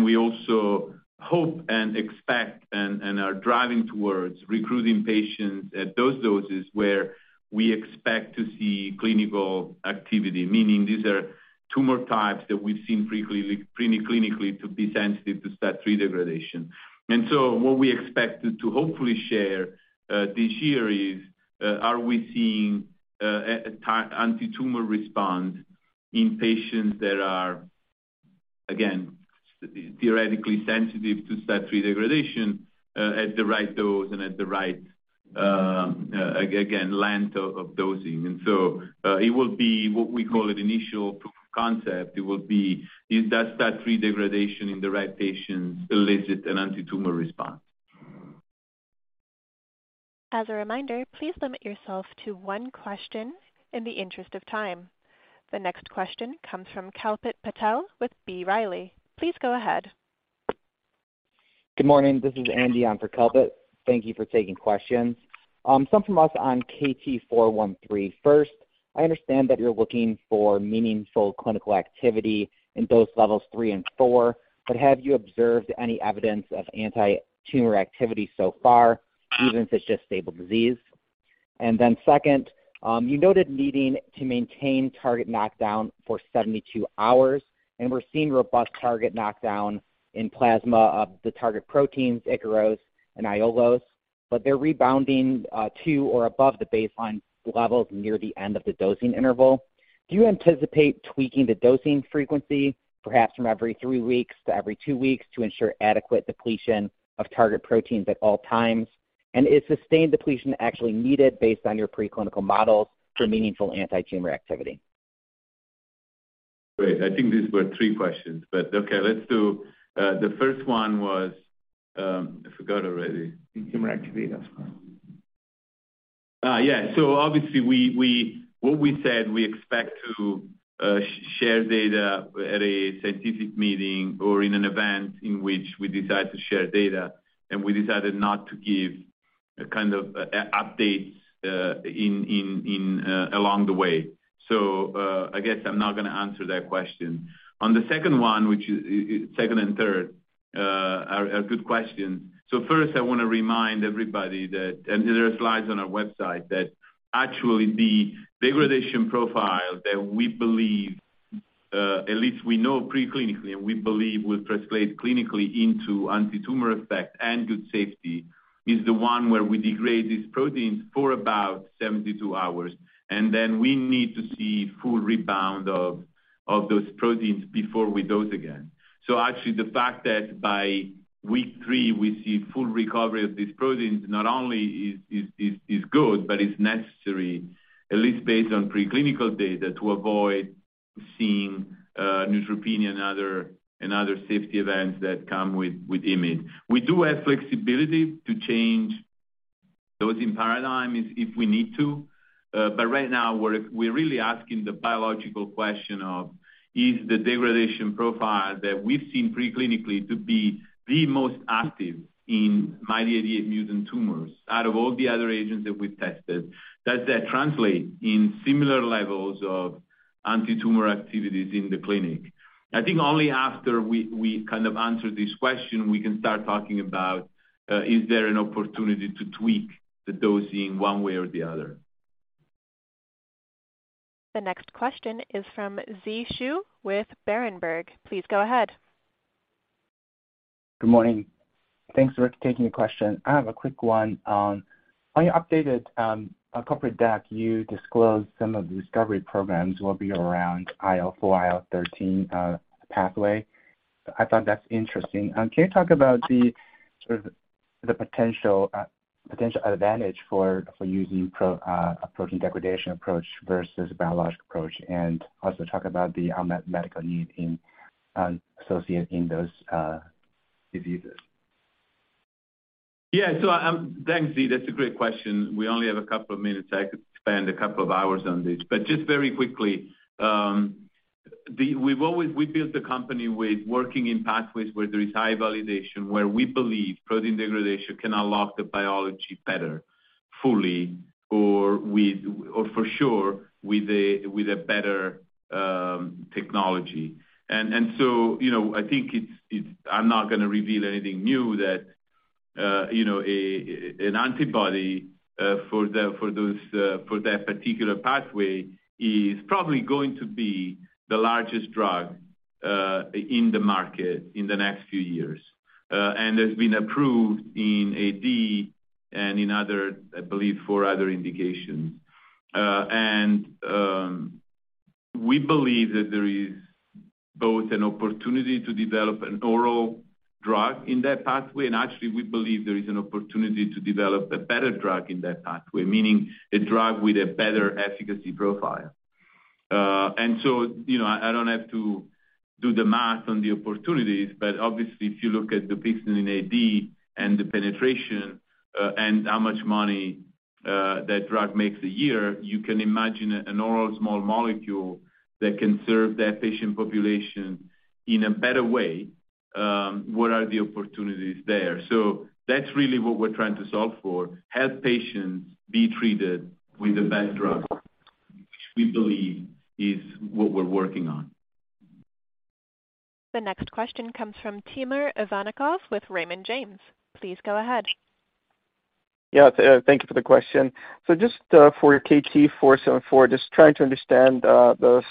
We also hope and expect and are driving towards recruiting patients at those doses where we expect to see clinical activity. Meaning these are tumor types that we've seen frequently pre-clinically to be sensitive to STAT3 degradation. What we expect to hopefully share this year is, are we seeing an anti-tumor response in patients that are, again, theoretically sensitive to STAT3 degradation, at the right dose and at the right again, length of dosing. It will be what we call an initial proof of concept. It will be, is that STAT3 degradation in the right patients elicit an anti-tumor response. As a reminder, please limit yourself to one question in the interest of time. The next question comes from Kalpit Patel with B. Riley. Please go ahead. Good morning, this is Andy on for Kalpit. Thank you for taking questions. Some from us on KT-413. I understand that you're looking for meaningful clinical activity in dose levels 3 and 4, but have you observed any evidence of anti-tumor activity so far, even if it's just stable disease? Second, you noted needing to maintain target knockdown for 72 hours, and we're seeing robust target knockdown in plasma of the target proteins, Ikaros and Aiolos, but they're rebounding, to or above the baseline levels near the end of the dosing interval. Do you anticipate tweaking the dosing frequency, perhaps from every 3 weeks to every 2 weeks to ensure adequate depletion of target proteins at all times? Is sustained depletion actually needed based on your preclinical models for meaningful antitumor activity? Great. I think these were three questions, but okay, the first one was, I forgot already. Antitumor activity, that's fine. Yeah. Obviously, what we said, we expect to share data at a scientific meeting or in an event in which we decide to share data, and we decided not to give the kind of updates along the way. I guess I'm not gonna answer that question. On the second one, which is second and third, are good questions. First, I wanna remind everybody that, and there are slides on our website, that actually the degradation profile that we believe, at least we know preclinically, and we believe will translate clinically into antitumor effect and good safety, is the one where we degrade these proteins for about 72 hours, and then we need to see full rebound of those proteins before we dose again. Actually, the fact that by week 3, we see full recovery of these proteins not only is good, but it's necessary, at least based on preclinical data, to avoid seeing neutropenia and other safety events that come with IMiD. We do have flexibility to change dosing paradigm if we need to. Right now we're really asking the biological question of, is the degradation profile that we've seen preclinically to be the most active in MYD88 mutant tumors out of all the other agents that we've tested, does that translate in similar levels of antitumor activities in the clinic? I think only after we kind of answer this question, we can start talking about, is there an opportunity to tweak the dosing one way or the other. The next question is from Zhiyuan Xu with Berenberg. Please go ahead. Good morning. Thanks, Rick, for taking the question. I have a quick one. On your updated corporate deck, you disclosed some of the discovery programs will be around IL-4, IL-13 pathway. I thought that's interesting. Can you talk about the sort of the potential advantage for using a protein degradation approach versus a biologic approach, also talk about the unmet medical need in associated in those diseases? Yeah. Thanks, Zhi. That's a great question. We only have a couple of minutes. I could spend a couple of hours on this, but just very quickly. We built the company with working in pathways where there is high validation, where we believe protein degradation can unlock the biology better, fully or for sure with a better technology. You know, I think I'm not gonna reveal anything new that, you know, an antibody for that particular pathway is probably going to be the largest drug in the market in the next few years. It's been approved in AD and in other, I believe, 4 other indications. We believe that there is both an opportunity to develop an oral drug in that pathway, and actually, we believe there is an opportunity to develop a better drug in that pathway, meaning a drug with a better efficacy profile. You know, I don't have to do the math on the opportunities, but obviously, if you look at Dupixent in AD and the penetration, and how much money that drug makes a year, you can imagine an oral small molecule that can serve that patient population in a better way, what are the opportunities there? That's really what we're trying to solve for, help patients be treated with the best drug, which we believe is what we're working on. The next question comes from Tymour Ivannikov with Raymond James. Please go ahead. Yeah, thank you for the question. Just for your KT-474, just trying to understand the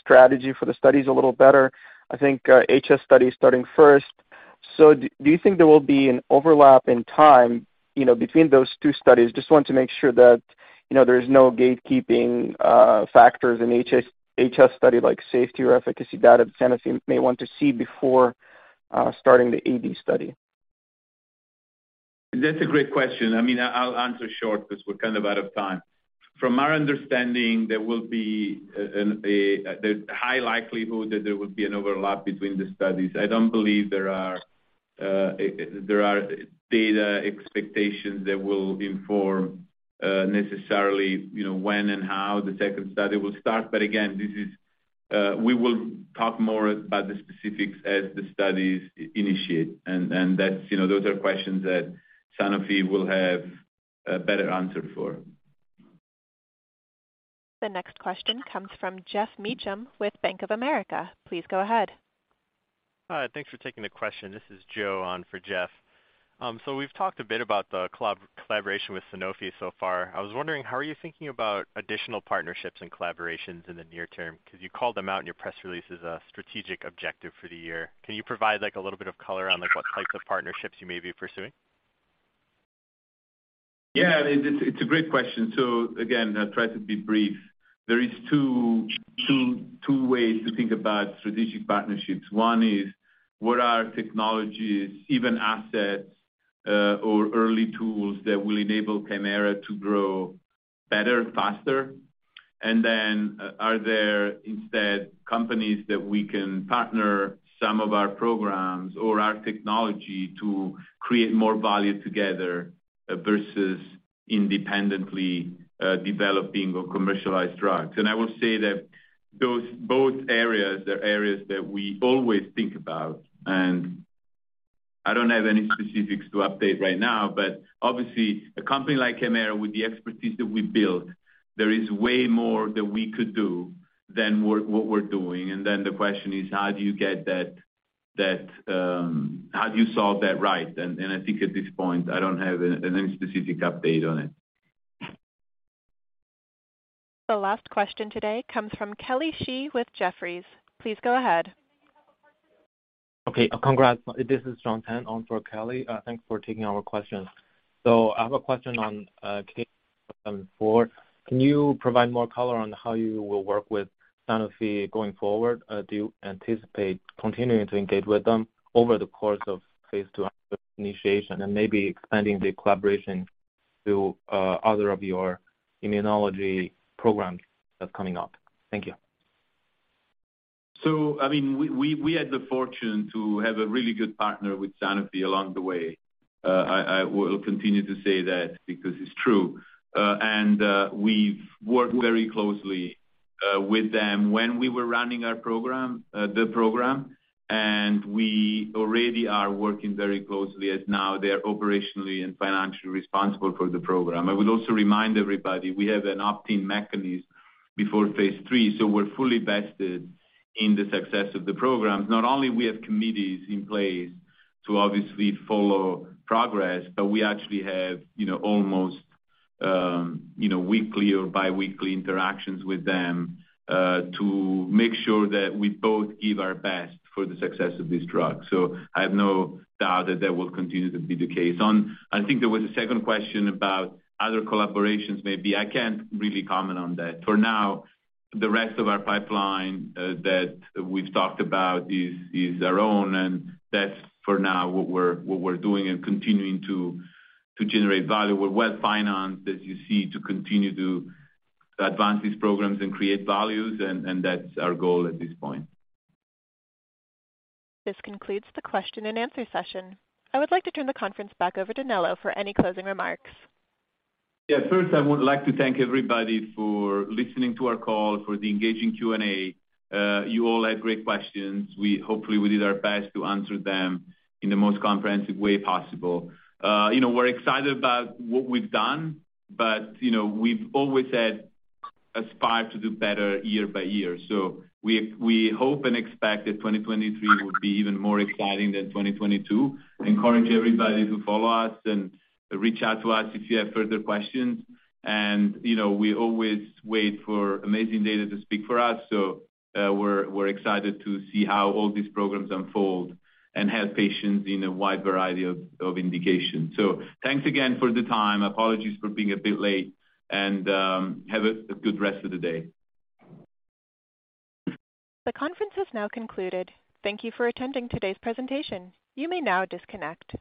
strategy for the studies a little better. I think HS study is starting first. Do you think there will be an overlap in time, you know, between those two studies? Just want to make sure that, you know, there is no gatekeeping factors in HS study like safety or efficacy data that Sanofi may want to see before starting the AD study. That's a great question. I mean, I'll answer short because we're kind of out of time. From our understanding, there's high likelihood that there will be an overlap between the studies. I don't believe there are data expectations that will inform necessarily, you know, when and how the second study will start. Again, this is, we will talk more about the specifics as the studies initiate. That's, you know, those are questions that Sanofi will have a better answer for. The next question comes from Geoff Meacham with Bank of America. Please go ahead. Hi. Thanks for taking the question. This is Joe on for Geoff. We've talked a bit about the collaboration with Sanofi so far. I was wondering, how are you thinking about additional partnerships and collaborations in the near term? You called them out in your press release as a strategic objective for the year. Can you provide, like, a little bit of color on, like, what types of partnerships you may be pursuing? Yeah, it's a great question. Again, I'll try to be brief. There is two ways to think about strategic partnerships. One is what are technologies, even assets, or early tools that will enable Kymera to grow better, faster? Are there instead companies that we can partner some of our programs or our technology to create more value together versus independently, developing or commercialized drugs? I will say that those both areas are areas that we always think about, and I don't have any specifics to update right now, but obviously a company like Kymera with the expertise that we build, there is way more that we could do than what we're doing. The question is how do you get that, how do you solve that right? I think at this point, I don't have any specific update on it. The last question today comes from Kelly Shi with Jefferies. Please go ahead. Okay. Congrats. This is John Tan on for Kelly. Thanks for taking our questions. I have a question on K four. Can you provide more color on how you will work with Sanofi going forward? Do you anticipate continuing to engage with them over the course of phase two initiation and maybe expanding the collaboration to other of your immunology programs that's coming up? Thank you. I mean, we had the fortune to have a really good partner with Sanofi along the way. I will continue to say that because it's true. We've worked very closely with them when we were running our program, the program, and we already are working very closely as now they're operationally and financially responsible for the program. I would also remind everybody, we have an opt-in mechanism before phase 3, so we're fully vested in the success of the program. Not only we have committees in place to obviously follow progress, but we actually have, you know, almost, you know, weekly or biweekly interactions with them to make sure that we both give our best for the success of this drug. I have no doubt that that will continue to be the case. I think there was a second question about other collaborations maybe. I can't really comment on that. For now, the rest of our pipeline, that we've talked about is our own. That's for now what we're doing and continuing to generate value. We're well financed, as you see, to continue to advance these programs and create values. That's our goal at this point. This concludes the question and answer session. I would like to turn the conference back over to Nello for any closing remarks. Yeah. First, I would like to thank everybody for listening to our call, for the engaging Q&A. You all had great questions. Hopefully we did our best to answer them in the most comprehensive way possible. You know, we're excited about what we've done, but, you know, we've always had aspire to do better year by year. We hope and expect that 2023 will be even more exciting than 2022. Encourage everybody to follow us and reach out to us if you have further questions. You know, we always wait for amazing data to speak for us. We're excited to see how all these programs unfold and help patients in a wide variety of indications. Thanks again for the time. Apologies for being a bit late, and have a good rest of the day. The conference has now concluded. Thank You for attending today's presentation. You may now disconnect.